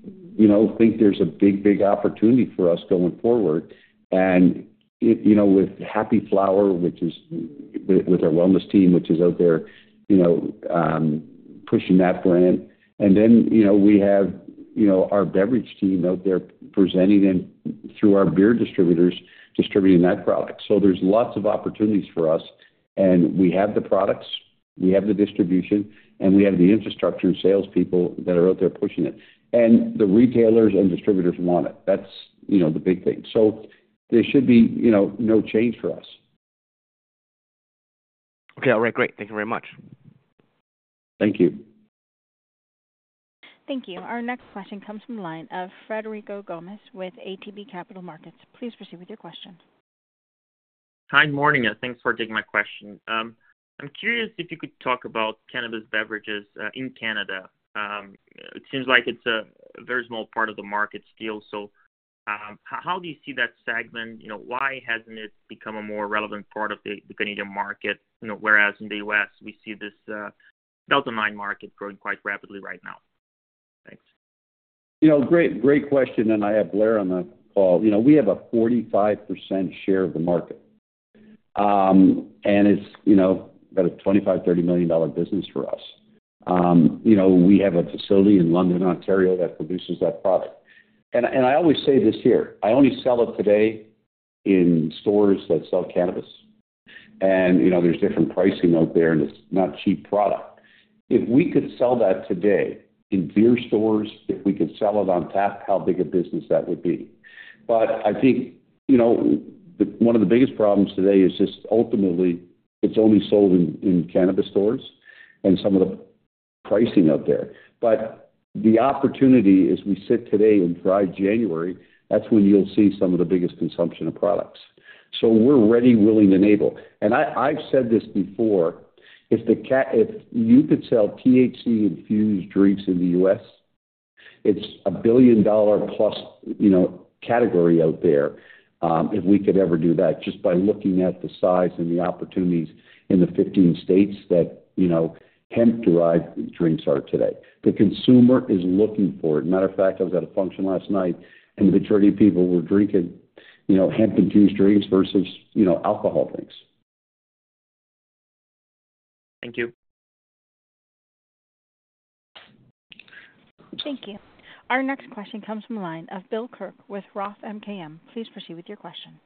think there's a big, big opportunity for us going forward. And with Happy Flower, which is with our wellness team, which is out there pushing that brand. And then we have our beverage team out there presenting through our beer distributors, distributing that product. So there's lots of opportunities for us. And we have the products, we have the distribution, and we have the infrastructure and salespeople that are out there pushing it. And the retailers and distributors want it. That's the big thing. So there should be no change for us. Okay. All right. Great. Thank you very much. Thank you. Thank you. Our next question comes from the line of Frederico Gomes with ATB Capital Markets. Please proceed with your question. Hi, good morning. Thanks for taking my question. I'm curious if you could talk about cannabis beverages in Canada. It seems like it's a very small part of the market still. So how do you see that segment? Why hasn't it become a more relevant part of the Canadian market, whereas in the US, we see this Delta-9 market growing quite rapidly right now? Thanks. Great question. And I have Blair on the call. We have a 45% share of the market. And it's about a $25-$30 million business for us. We have a facility in London, Ontario, that produces that product. And I always say this here. I only sell it today in stores that sell cannabis. And there's different pricing out there, and it's not a cheap product. If we could sell that today in beer stores, if we could sell it on tap, how big a business that would be. But I think one of the biggest problems today is just ultimately, it's only sold in cannabis stores and some of the pricing out there. But the opportunity is we sit today in dry January, that's when you'll see some of the biggest consumption of products. So we're ready, willing, and able. And I've said this before. If you could sell THC-infused drinks in the U.S., it's a billion-dollar-plus category out there if we could ever do that, just by looking at the size and the opportunities in the 15 states that hemp-derived drinks are today. The consumer is looking for it. Matter of fact, I was at a function last night, and the majority of people were drinking hemp-infused drinks versus alcohol drinks. Thank you. Thank you. Our next question comes from the line of Bill Kirk with Roth MKM. Please proceed with your question.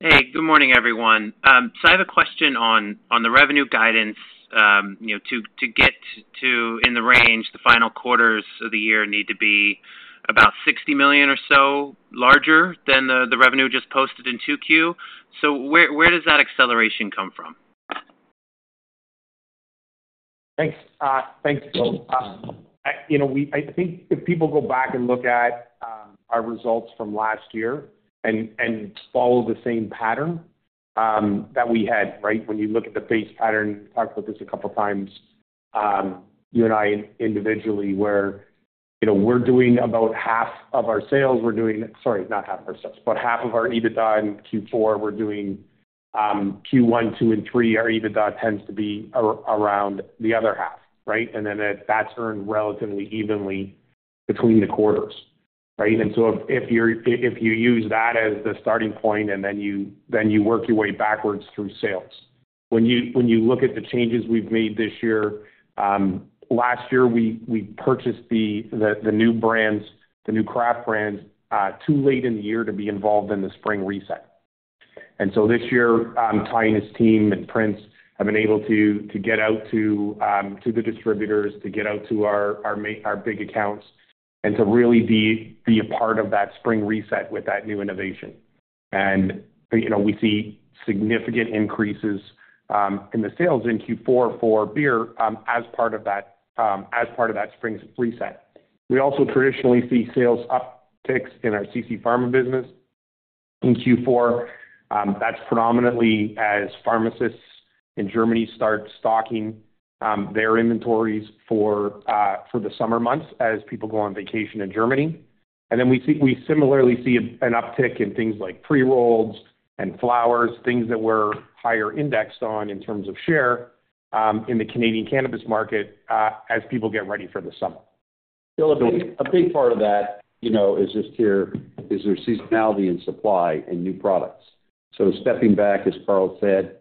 Hey, good morning, everyone. So I have a question on the revenue guidance. To get to in the range, the final quarters of the year need to be about $60 million or so larger than the revenue just posted in 2Q. So where does that acceleration come from? Thanks. Thank you. I think if people go back and look at our results from last year and follow the same pattern that we had, right, when you look at the base pattern, we talked about this a couple of times, you and I individually, where we're doing about half of our sales. We're doing, sorry, not half of our sales, but half of our EBITDA in Q4, we're doing Q1, Q2, and Q3. Our EBITDA tends to be around the other half, right? And then that's earned relatively evenly between the quarters, right? So if you use that as the starting point, and then you work your way backwards through sales. When you look at the changes we've made this year, last year, we purchased the new brands, the new craft brands, too late in the year to be involved in the spring reset. So this year, Ty and his team and Prinz have been able to get out to the distributors, to get out to our big accounts, and to really be a part of that spring reset with that new innovation. We see significant increases in the sales in Q4 for beer as part of that spring reset. We also traditionally see sales upticks in our CC Pharma business in Q4. That's predominantly as pharmacists in Germany start stocking their inventories for the summer months as people go on vacation in Germany. We similarly see an uptick in things like pre-rolls and flowers, things that we're higher indexed on in terms of share in the Canadian cannabis market as people get ready for the summer. Bill, a big part of that is just here. Is there seasonality in supply and new products? Stepping back, as Carl said,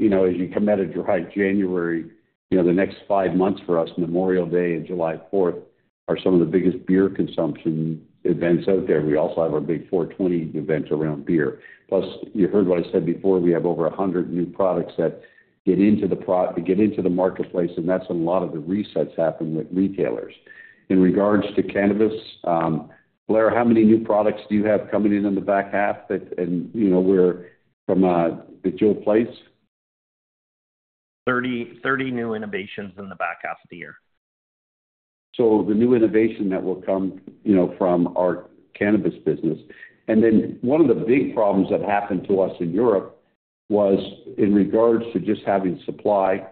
as you committed to Dry January, the next five months for us, Memorial Day and July 4th, are some of the biggest beer consumption events out there. We also have our big 420 events around beer. Plus, you heard what I said before. We have over 100 new products that get into the marketplace, and that's when a lot of the resets happen with retailers. In regards to cannabis, Blair, how many new products do you have coming in in the back half? And what are the growth plays? 30 new innovations in the back half of the year. So the new innovation that will come from our cannabis business. And then one of the big problems that happened to us in Europe was in regards to just having supply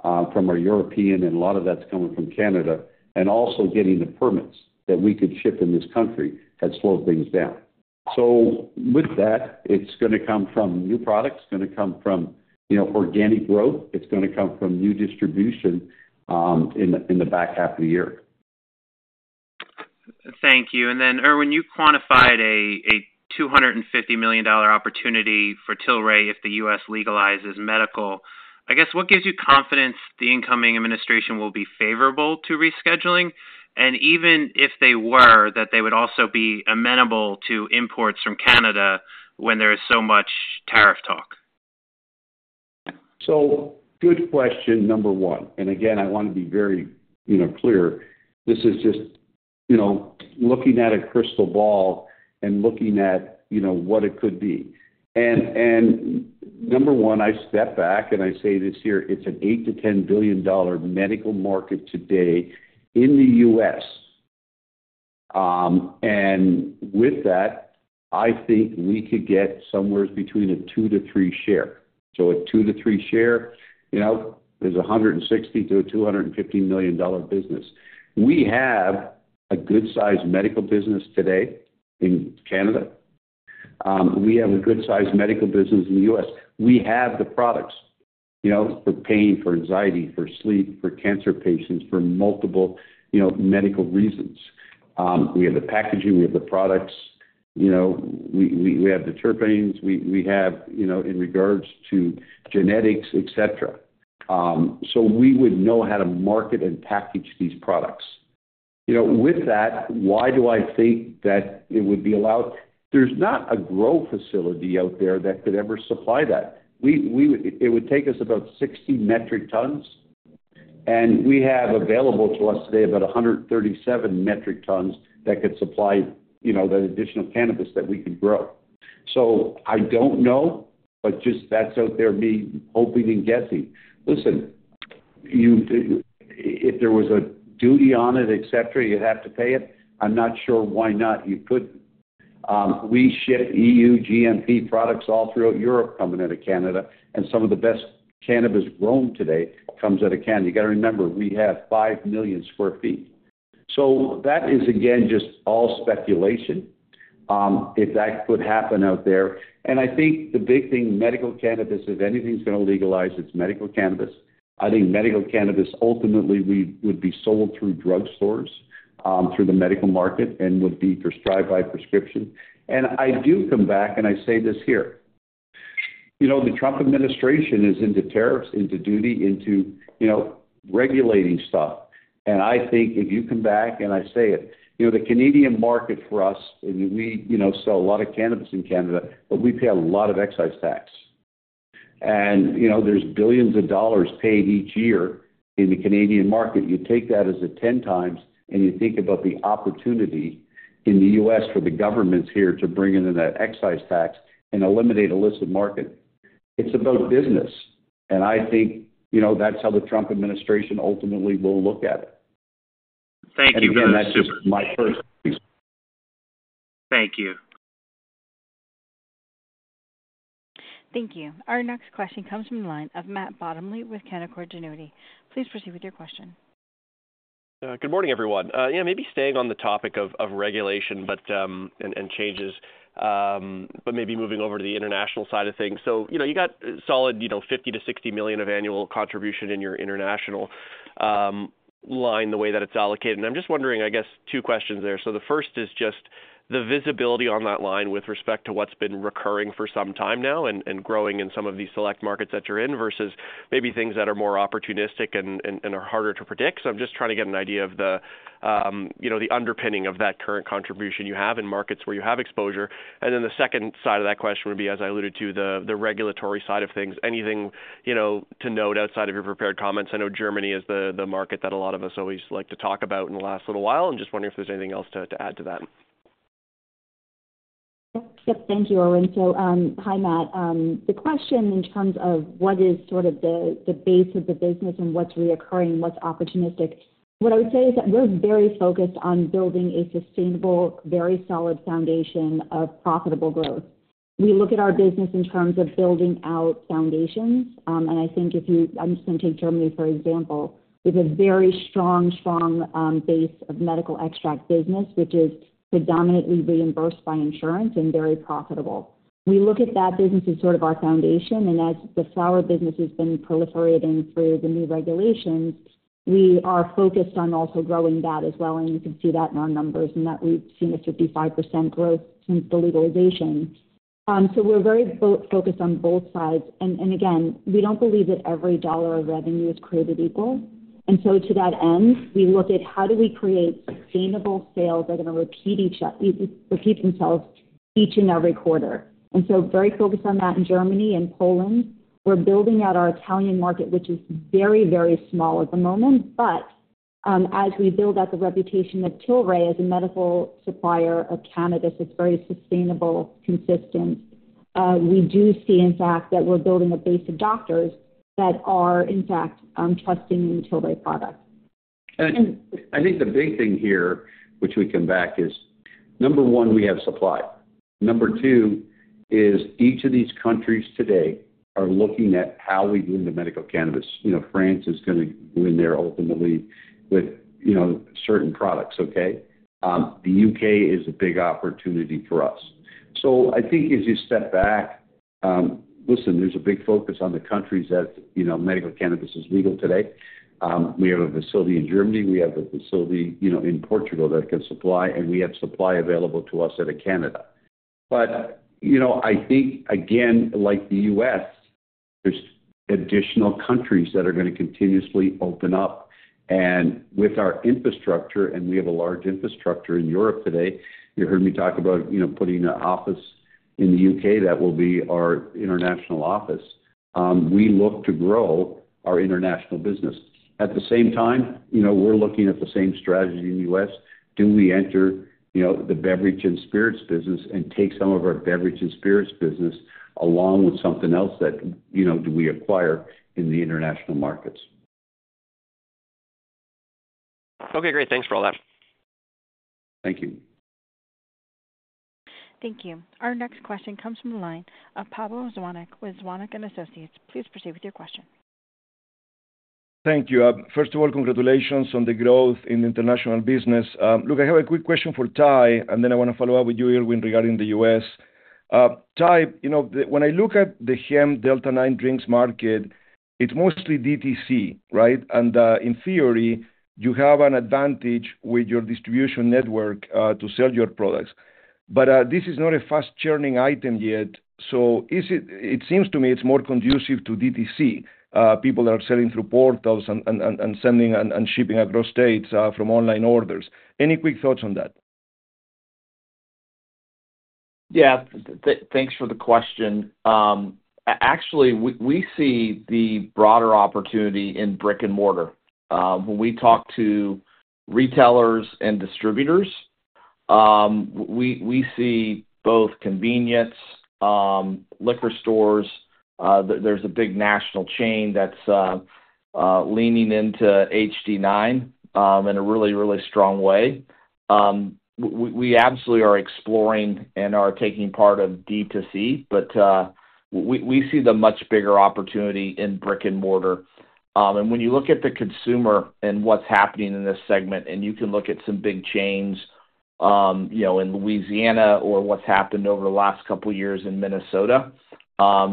from our European, and a lot of that's coming from Canada, and also getting the permits that we could ship in this country had slowed things down. So with that, it's going to come from new products, it's going to come from organic growth, it's going to come from new distribution in the back half of the year. Thank you. And then, Irwin, you quantified a $250 million opportunity for Tilray if the U.S. legalizes medical. I guess, what gives you confidence the incoming administration will be favorable to rescheduling? And even if they were, that they would also be amenable to imports from Canada when there is so much tariff talk? So good question, number one. And again, I want to be very clear. This is just looking at a crystal ball and looking at what it could be. And number one, I step back and I say this here, it's an $8-$10 billion medical market today in the U.S. And with that, I think we could get somewhere between a 2%-3% share. So a 2%-3% share, there's a $160-$250 million business. We have a good-sized medical business today in Canada. We have a good-sized medical business in the U.S. We have the products for pain, for anxiety, for sleep, for cancer patients, for multiple medical reasons. We have the packaging, we have the products, we have the terpenes, we have in regards to genetics, etc. So we would know how to market and package these products. With that, why do I think that it would be allowed? There's not a grow facility out there that could ever supply that. It would take us about 60 metric tons, and we have available to us today about 137 metric tons that could supply that additional cannabis that we could grow. So I don't know, but just that's out there me hoping and guessing. Listen, if there was a duty on it, etc., you'd have to pay it. I'm not sure why not you could. We ship EU GMP products all throughout Europe coming out of Canada, and some of the best cannabis grown today comes out of Canada. You got to remember, we have 5 million sq ft. So that is, again, just all speculation if that could happen out there. I think the big thing, medical cannabis, if anything's going to legalize, it's medical cannabis. I think medical cannabis ultimately would be sold through drug stores, through the medical market, and would be prescribed by prescription. I do come back and I say this here. The Trump administration is into tariffs, into duty, into regulating stuff. I think if you come back and I say it, the Canadian market for us, and we sell a lot of cannabis in Canada, but we pay a lot of excise tax. There's billions of dollars paid each year in the Canadian market. You take that as a 10x and you think about the opportunity in the U.S. for the governments here to bring in that excise tax and eliminate illicit market. It's about business. And I think that's how the Trump administration ultimately will look at it. Thank you. Again, that's my first. Thank you. Thank you. Our next question comes from the line of Matt Bottomley with Canaccord Genuity. Please proceed with your question. Good morning, everyone. Yeah, maybe staying on the topic of regulation and changes, but maybe moving over to the international side of things. So you got solid $50-60 million of annual contribution in your international line, the way that it's allocated. And I'm just wondering, I guess, two questions there. So the first is just the visibility on that line with respect to what's been recurring for some time now and growing in some of these select markets that you're in versus maybe things that are more opportunistic and are harder to predict. So I'm just trying to get an idea of the underpinning of that current contribution you have in markets where you have exposure. And then the second side of that question would be, as I alluded to, the regulatory side of things. Anything to note outside of your prepared comments? I know Germany is the market that a lot of us always like to talk about in the last little while, and just wondering if there's anything else to add to that. Yep. Thank you, Irwin. So hi, Matt. The question in terms of what is sort of the base of the business and what's recurring, what's opportunistic, what I would say is that we're very focused on building a sustainable, very solid foundation of profitable growth. We look at our business in terms of building out foundations. And I think if you. I'm just going to take Germany for example. We have a very strong, strong base of medical extract business, which is predominantly reimbursed by insurance and very profitable. We look at that business as sort of our foundation. And as the flower business has been proliferating through the new regulations, we are focused on also growing that as well. And you can see that in our numbers and that we've seen a 55% growth since the legalization. So we're very focused on both sides. And again, we don't believe that every dollar of revenue is created equal. And so to that end, we look at how do we create sustainable sales that are going to repeat themselves each and every quarter. And so very focused on that in Germany and Poland. We're building out our Italian market, which is very, very small at the moment. But as we build out the reputation of Tilray as a medical supplier of cannabis that's very sustainable, consistent, we do see, in fact, that we're building a base of doctors that are, in fact, trusting in the Tilray product. And I think the big thing here, which we come back, is number one, we have supply. Number two is each of these countries today are looking at how we win the medical cannabis. France is going to win there ultimately with certain products, okay? The U.K. is a big opportunity for us. So I think as you step back, listen, there's a big focus on the countries that medical cannabis is legal today. We have a facility in Germany. We have a facility in Portugal that can supply, and we have supply available to us out of Canada. But I think, again, like the U.S., there's additional countries that are going to continuously open up. And with our infrastructure, and we have a large infrastructure in Europe today, you heard me talk about putting an office in the U.K. that will be our international office. We look to grow our international business. At the same time, we're looking at the same strategy in the U.S.. Do we enter the beverage and spirits business and take some of our beverage and spirits business along with something else that we acquire in the international markets? Okay. Great. Thanks for all that. Thank you. Thank you. Our next question comes from the line of Pablo Zuanic with Zuanic & Associates. Please proceed with your question. Thank you. First of all, congratulations on the growth in international business. Look, I have a quick question for Ty, and then I want to follow up with you, Irwin, regarding the U.S. Ty, when I look at the hemp Delta-9 drinks market, it's mostly DTC, right? And in theory, you have an advantage with your distribution network to sell your products. But this is not a fast-churning item yet. So it seems to me it's more conducive to DTC, people that are selling through portals and sending and shipping across states from online orders. Any quick thoughts on that? Yeah. Thanks for the question. Actually, we see the broader opportunity in brick and mortar. When we talk to retailers and distributors, we see both convenience, liquor stores. There's a big national chain that's leaning into HD9 in a really, really strong way. We absolutely are exploring and are taking part of DTC, but we see the much bigger opportunity in brick and mortar. And when you look at the consumer and what's happening in this segment, and you can look at some big chains in Louisiana or what's happened over the last couple of years in Minnesota,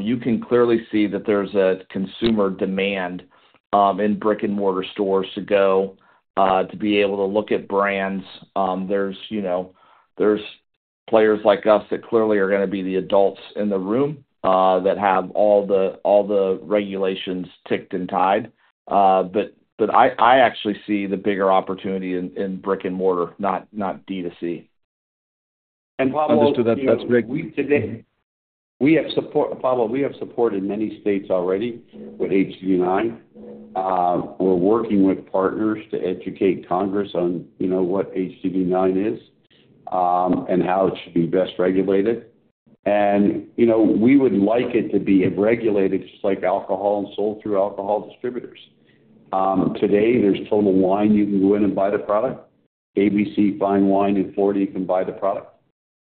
you can clearly see that there's a consumer demand in brick and mortar stores to go to be able to look at brands. There's players like us that clearly are going to be the adults in the room that have all the regulations ticked and tied. But I actually see the bigger opportunity in brick and mortar, not DTC. And Pablo, that's great. We have supported many states already with HD9. We're working with partners to educate Congress on what HD9 is and how it should be best regulated, and we would like it to be regulated just like alcohol and sold through alcohol distributors. Today, there's Total Wine. You can go in and buy the product. ABC Fine Wine in Florida, you can buy the product.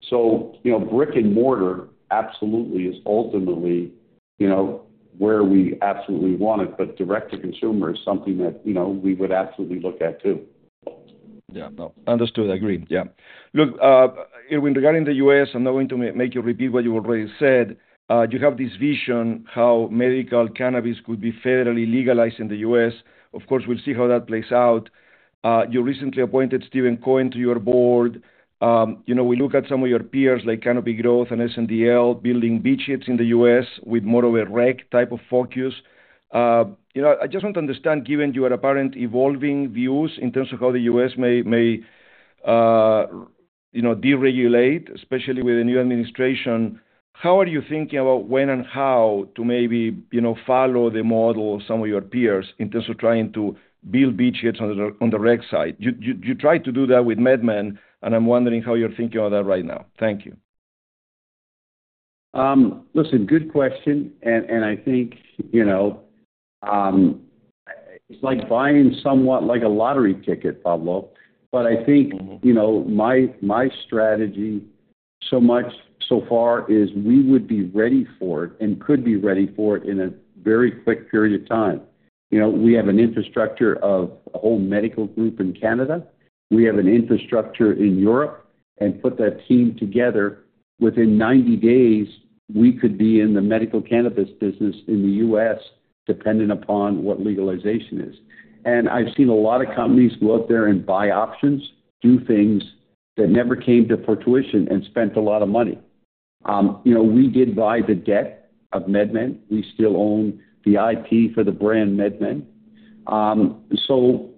So brick and mortar absolutely is ultimately where we absolutely want it, but direct-to-consumer is something that we would absolutely look at too. Yeah. Understood. I agree. Yeah. Look, Irwin, regarding the U.S., I'm not going to make you repeat what you already said. You have this vision how medical cannabis could be federally legalized in the U.S.. Of course, we'll see how that plays out. You recently appointed Stephen Cohen to your board. We look at some of your peers like Canopy Growth and SNDL building beachheads in the U.S. with more of a rec type of focus. I just want to understand, given your apparent evolving views in terms of how the U.S. may deregulate, especially with the new administration, how are you thinking about when and how to maybe follow the model of some of your peers in terms of trying to build beachheads on the rec side? You tried to do that with MedMen, and I'm wondering how you're thinking about that right now. Thank you. Listen, good question. And I think it's like buying somewhat like a lottery ticket, Pablo. But I think my strategy so far is we would be ready for it and could be ready for it in a very quick period of time. We have an infrastructure of a whole medical group in Canada. We have an infrastructure in Europe, and put that team together, within 90 days, we could be in the medical cannabis business in the U.S., depending upon what legalization is. And I've seen a lot of companies go out there and buy options, do things that never came to fruition, and spent a lot of money. We did buy the debt of MedMen. We still own the IP for the brand MedMen. So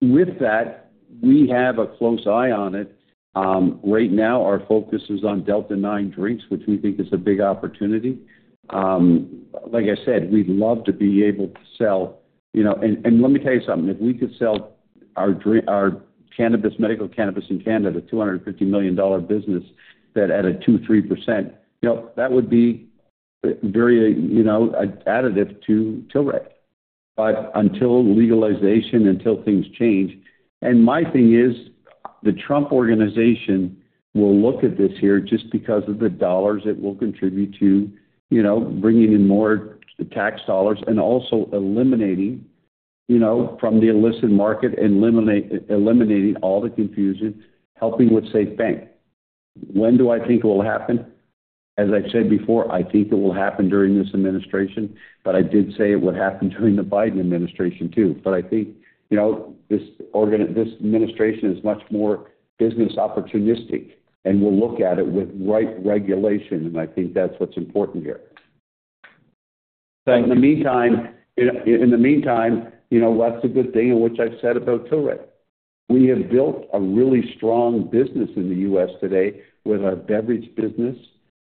with that, we have a close eye on it. Right now, our focus is on Delta-9 drinks, which we think is a big opportunity. Like I said, we'd love to be able to sell. And let me tell you something. If we could sell our medical cannabis in Canada, a $250 million business that had a 2%-3%, that would be very additive to Tilray. But until legalization, until things change. My thing is the Trump administration will look at this here just because of the dollars it will contribute to bringing in more tax dollars and also eliminating from the illicit market and eliminating all the confusion, helping with SAFE Banking. When do I think it will happen? As I've said before, I think it will happen during this administration. But I did say it would happen during the Biden administration too. But I think this administration is much more business opportunistic and will look at it with right regulation. And I think that's what's important here. In the meantime, that's a good thing in which I've said about Tilray. We have built a really strong business in the U.S. today with our beverage business,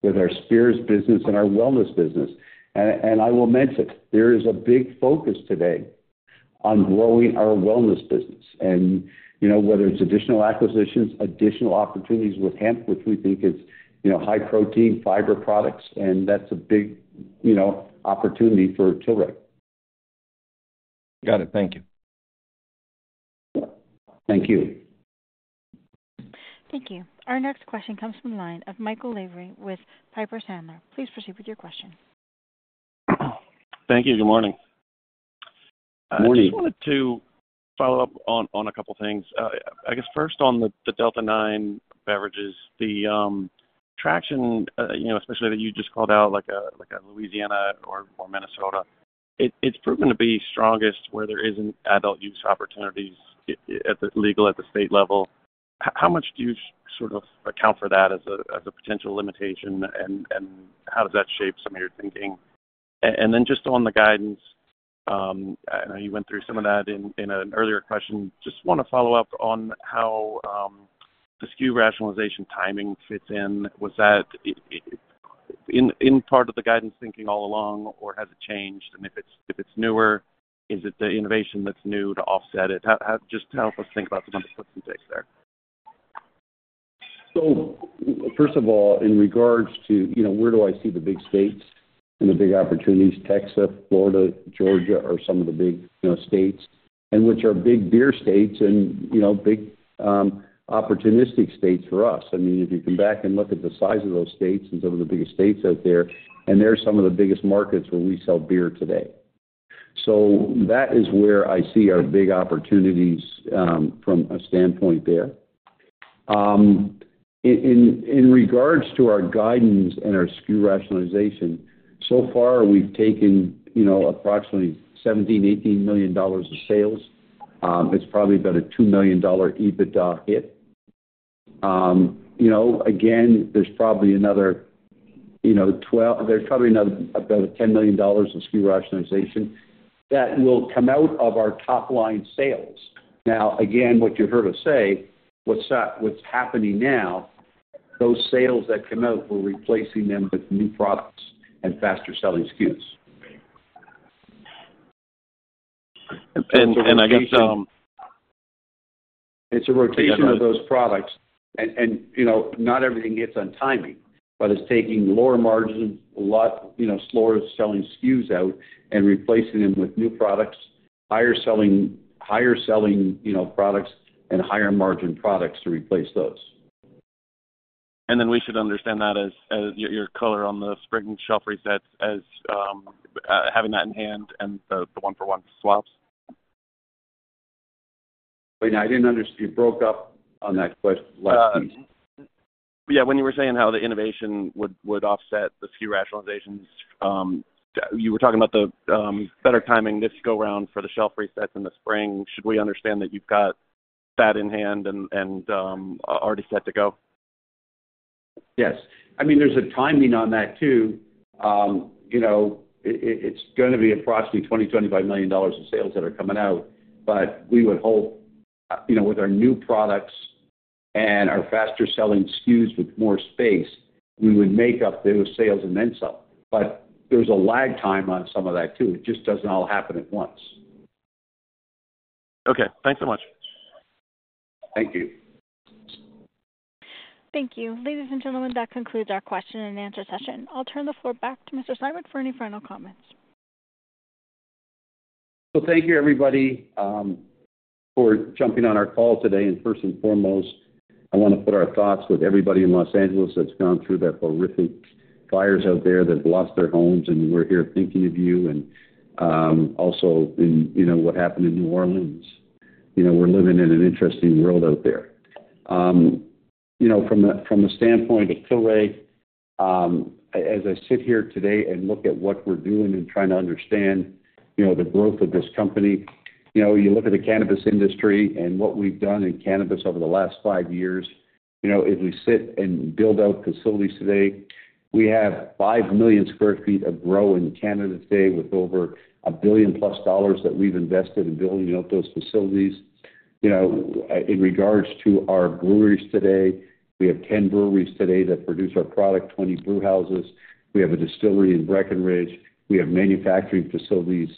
with our spirits business, and our wellness business. I will mention, there is a big focus today on growing our wellness business. Whether it's additional acquisitions, additional opportunities with hemp, which we think is high protein fiber products, and that's a big opportunity for Tilray. Got it. Thank you. Thank you. Thank you. Our next question comes from the line of Michael Lavery with Piper Sandler. Please proceed with your question. Thank you. Good morning. Good morning. I just wanted to follow up on a couple of things. I guess first on the Delta-9 beverages, the traction, especially that you just called out, like a Louisiana or Minnesota, it's proven to be strongest where there isn't adult use opportunities legal at the state level. How much do you sort of account for that as a potential limitation, and how does that shape some of your thinking? And then just on the guidance, I know you went through some of that in an earlier question. Just want to follow up on how the SKU rationalization timing fits in. Was that in part of the guidance thinking all along, or has it changed? And if it's newer, is it the innovation that's new to offset it? Just help us think about some of the footprints there. So first of all, in regards to where do I see the big states and the big opportunities? Texas, Florida, Georgia are some of the big states, and which are big beer states and big opportunistic states for us. I mean, if you come back and look at the size of those states and some of the biggest states out there, and they're some of the biggest markets where we sell beer today, so that is where I see our big opportunities from a standpoint there. In regards to our guidance and our SKU rationalization, so far, we've taken approximately $17-$18 million of sales. It's probably about a $2 million EBITDA hit. Again, there's probably another 12, about a $10 million of SKU rationalization that will come out of our top line sales. Now, again, what you heard us say, what's happening now, those sales that come out, we're replacing them with new products and faster-selling SKUs, and I guess it's a rotation of those products. And not everything hits on timing, but it's taking lower margins, slower-selling SKUs out, and replacing them with new products, higher-selling products, and higher-margin products to replace those. And then we should understand that as your color on the spring shelf resets as having that in hand and the one-for-one swaps. Wait, I didn't understand. You broke up on that question. Yeah. When you were saying how the innovation would offset the SKU rationalizations, you were talking about the better timing this go around for the shelf resets in the spring. Should we understand that you've got that in hand and already set to go? Yes. I mean, there's a timing on that too. It's going to be approximately $20-$25 million of sales that are coming out. But we would hope with our new products and our faster-selling SKUs with more space, we would make up those sales and then some. But there's a lag time on some of that too. It just doesn't all happen at once. Okay. Thanks so much. Thank you. Thank you. Ladies and gentlemen, that concludes our question-and-answer session. I'll turn the floor back to Mr. Simon for any final comments. Well, thank you, everybody, for jumping on our call today. And first and foremost, I want to put our thoughts with everybody in Los Angeles that's gone through the horrific fires out there that have lost their homes. And we're here thinking of you and also what happened in New Orleans. We're living in an interesting world out there. From the standpoint of Tilray, as I sit here today and look at what we're doing and trying to understand the growth of this company, you look at the cannabis industry and what we've done in cannabis over the last five years. If we sit and build out facilities today, we have five million sq ft of grow in Canada today with over $1 billion-plus that we've invested in building out those facilities. In regards to our breweries today, we have 10 breweries today that produce our product, 20 brewhouses. We have a distillery in Breckenridge. We have manufacturing facilities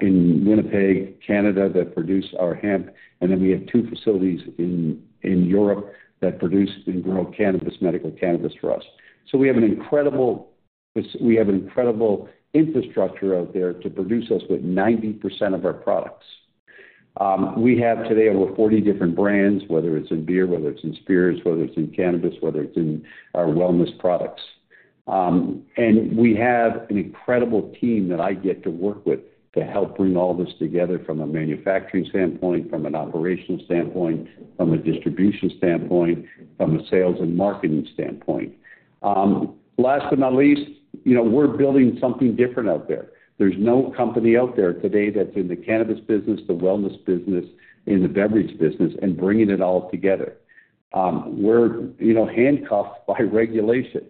in Winnipeg, Canada that produce our hemp. And then we have two facilities in Europe that produce and grow cannabis, medical cannabis for us. So we have an incredible infrastructure out there to produce us with 90% of our products. We have today over 40 different brands, whether it's in beer, whether it's in spirits, whether it's in cannabis, whether it's in our wellness products, and we have an incredible team that I get to work with to help bring all this together from a manufacturing standpoint, from an operational standpoint, from a distribution standpoint, from a sales and marketing standpoint. Last but not least, we're building something different out there. There's no company out there today that's in the cannabis business, the wellness business, in the beverage business, and bringing it all together. We're handcuffed by regulation.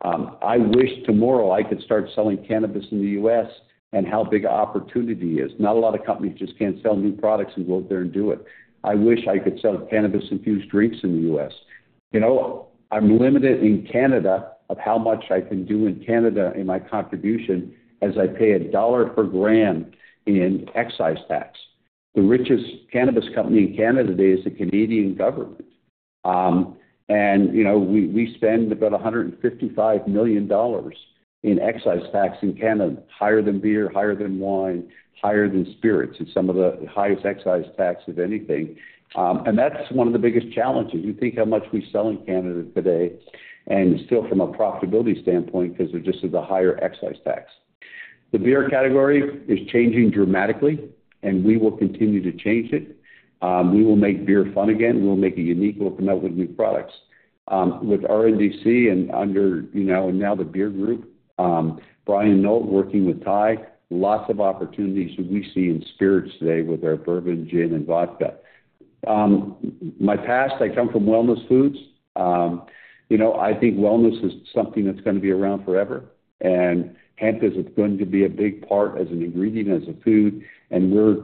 I wish tomorrow I could start selling cannabis in the U.S. and how big opportunity is. Not a lot of companies just can't sell new products and go out there and do it. I wish I could sell cannabis-infused drinks in the U.S.. I'm limited in Canada of how much I can do in Canada in my contribution as I pay $1 per gram in excise tax. The richest cannabis company in Canada today is the Canadian government. We spend about $155 million in excise tax in Canada, higher than beer, higher than wine, higher than spirits, and some of the highest excise tax, if anything. That's one of the biggest challenges. You think how much we sell in Canada today and still from a profitability standpoint because of just the higher excise tax. The beer category is changing dramatically, and we will continue to change it. We will make beer fun again. We'll make it unique. We'll come out with new products. With RNDC and now the beer group, Brian Noll working with Ty, lots of opportunities that we see in spirits today with our bourbon, gin, and vodka. In my past, I come from wellness foods. I think wellness is something that's going to be around forever. Hemp is going to be a big part as an ingredient, as a food. We're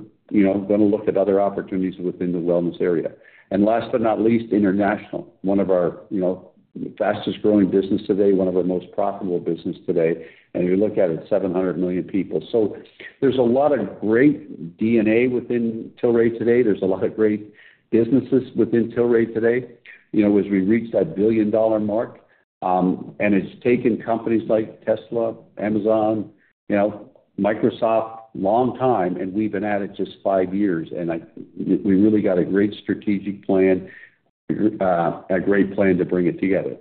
going to look at other opportunities within the wellness area. Last but not least, international, one of our fastest-growing businesses today, one of our most profitable businesses today. We look at it, 700 million people. So there's a lot of great DNA within Tilray today. There's a lot of great businesses within Tilray today as we reach that $1 billion mark. It's taken companies like Tesla, Amazon, Microsoft, a long time, and we've been at it just five years. We really got a great strategic plan, a great plan to bring it together.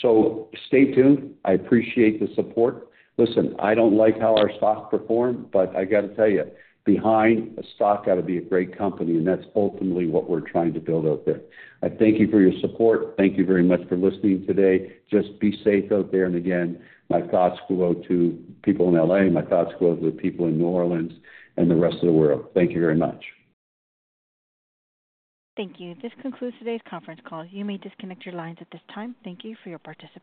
So stay tuned. I appreciate the support. Listen, I don't like how our stock performed, but I got to tell you, behind a stock, got to be a great company. That's ultimately what we're trying to build out there. I thank you for your support. Thank you very much for listening today. Just be safe out there. Again, my thoughts go out to people in LA. My thoughts go out to the people in New Orleans and the rest of the world. Thank you very much. Thank you. This concludes today's conference call. You may disconnect your lines at this time. Thank you for your participation.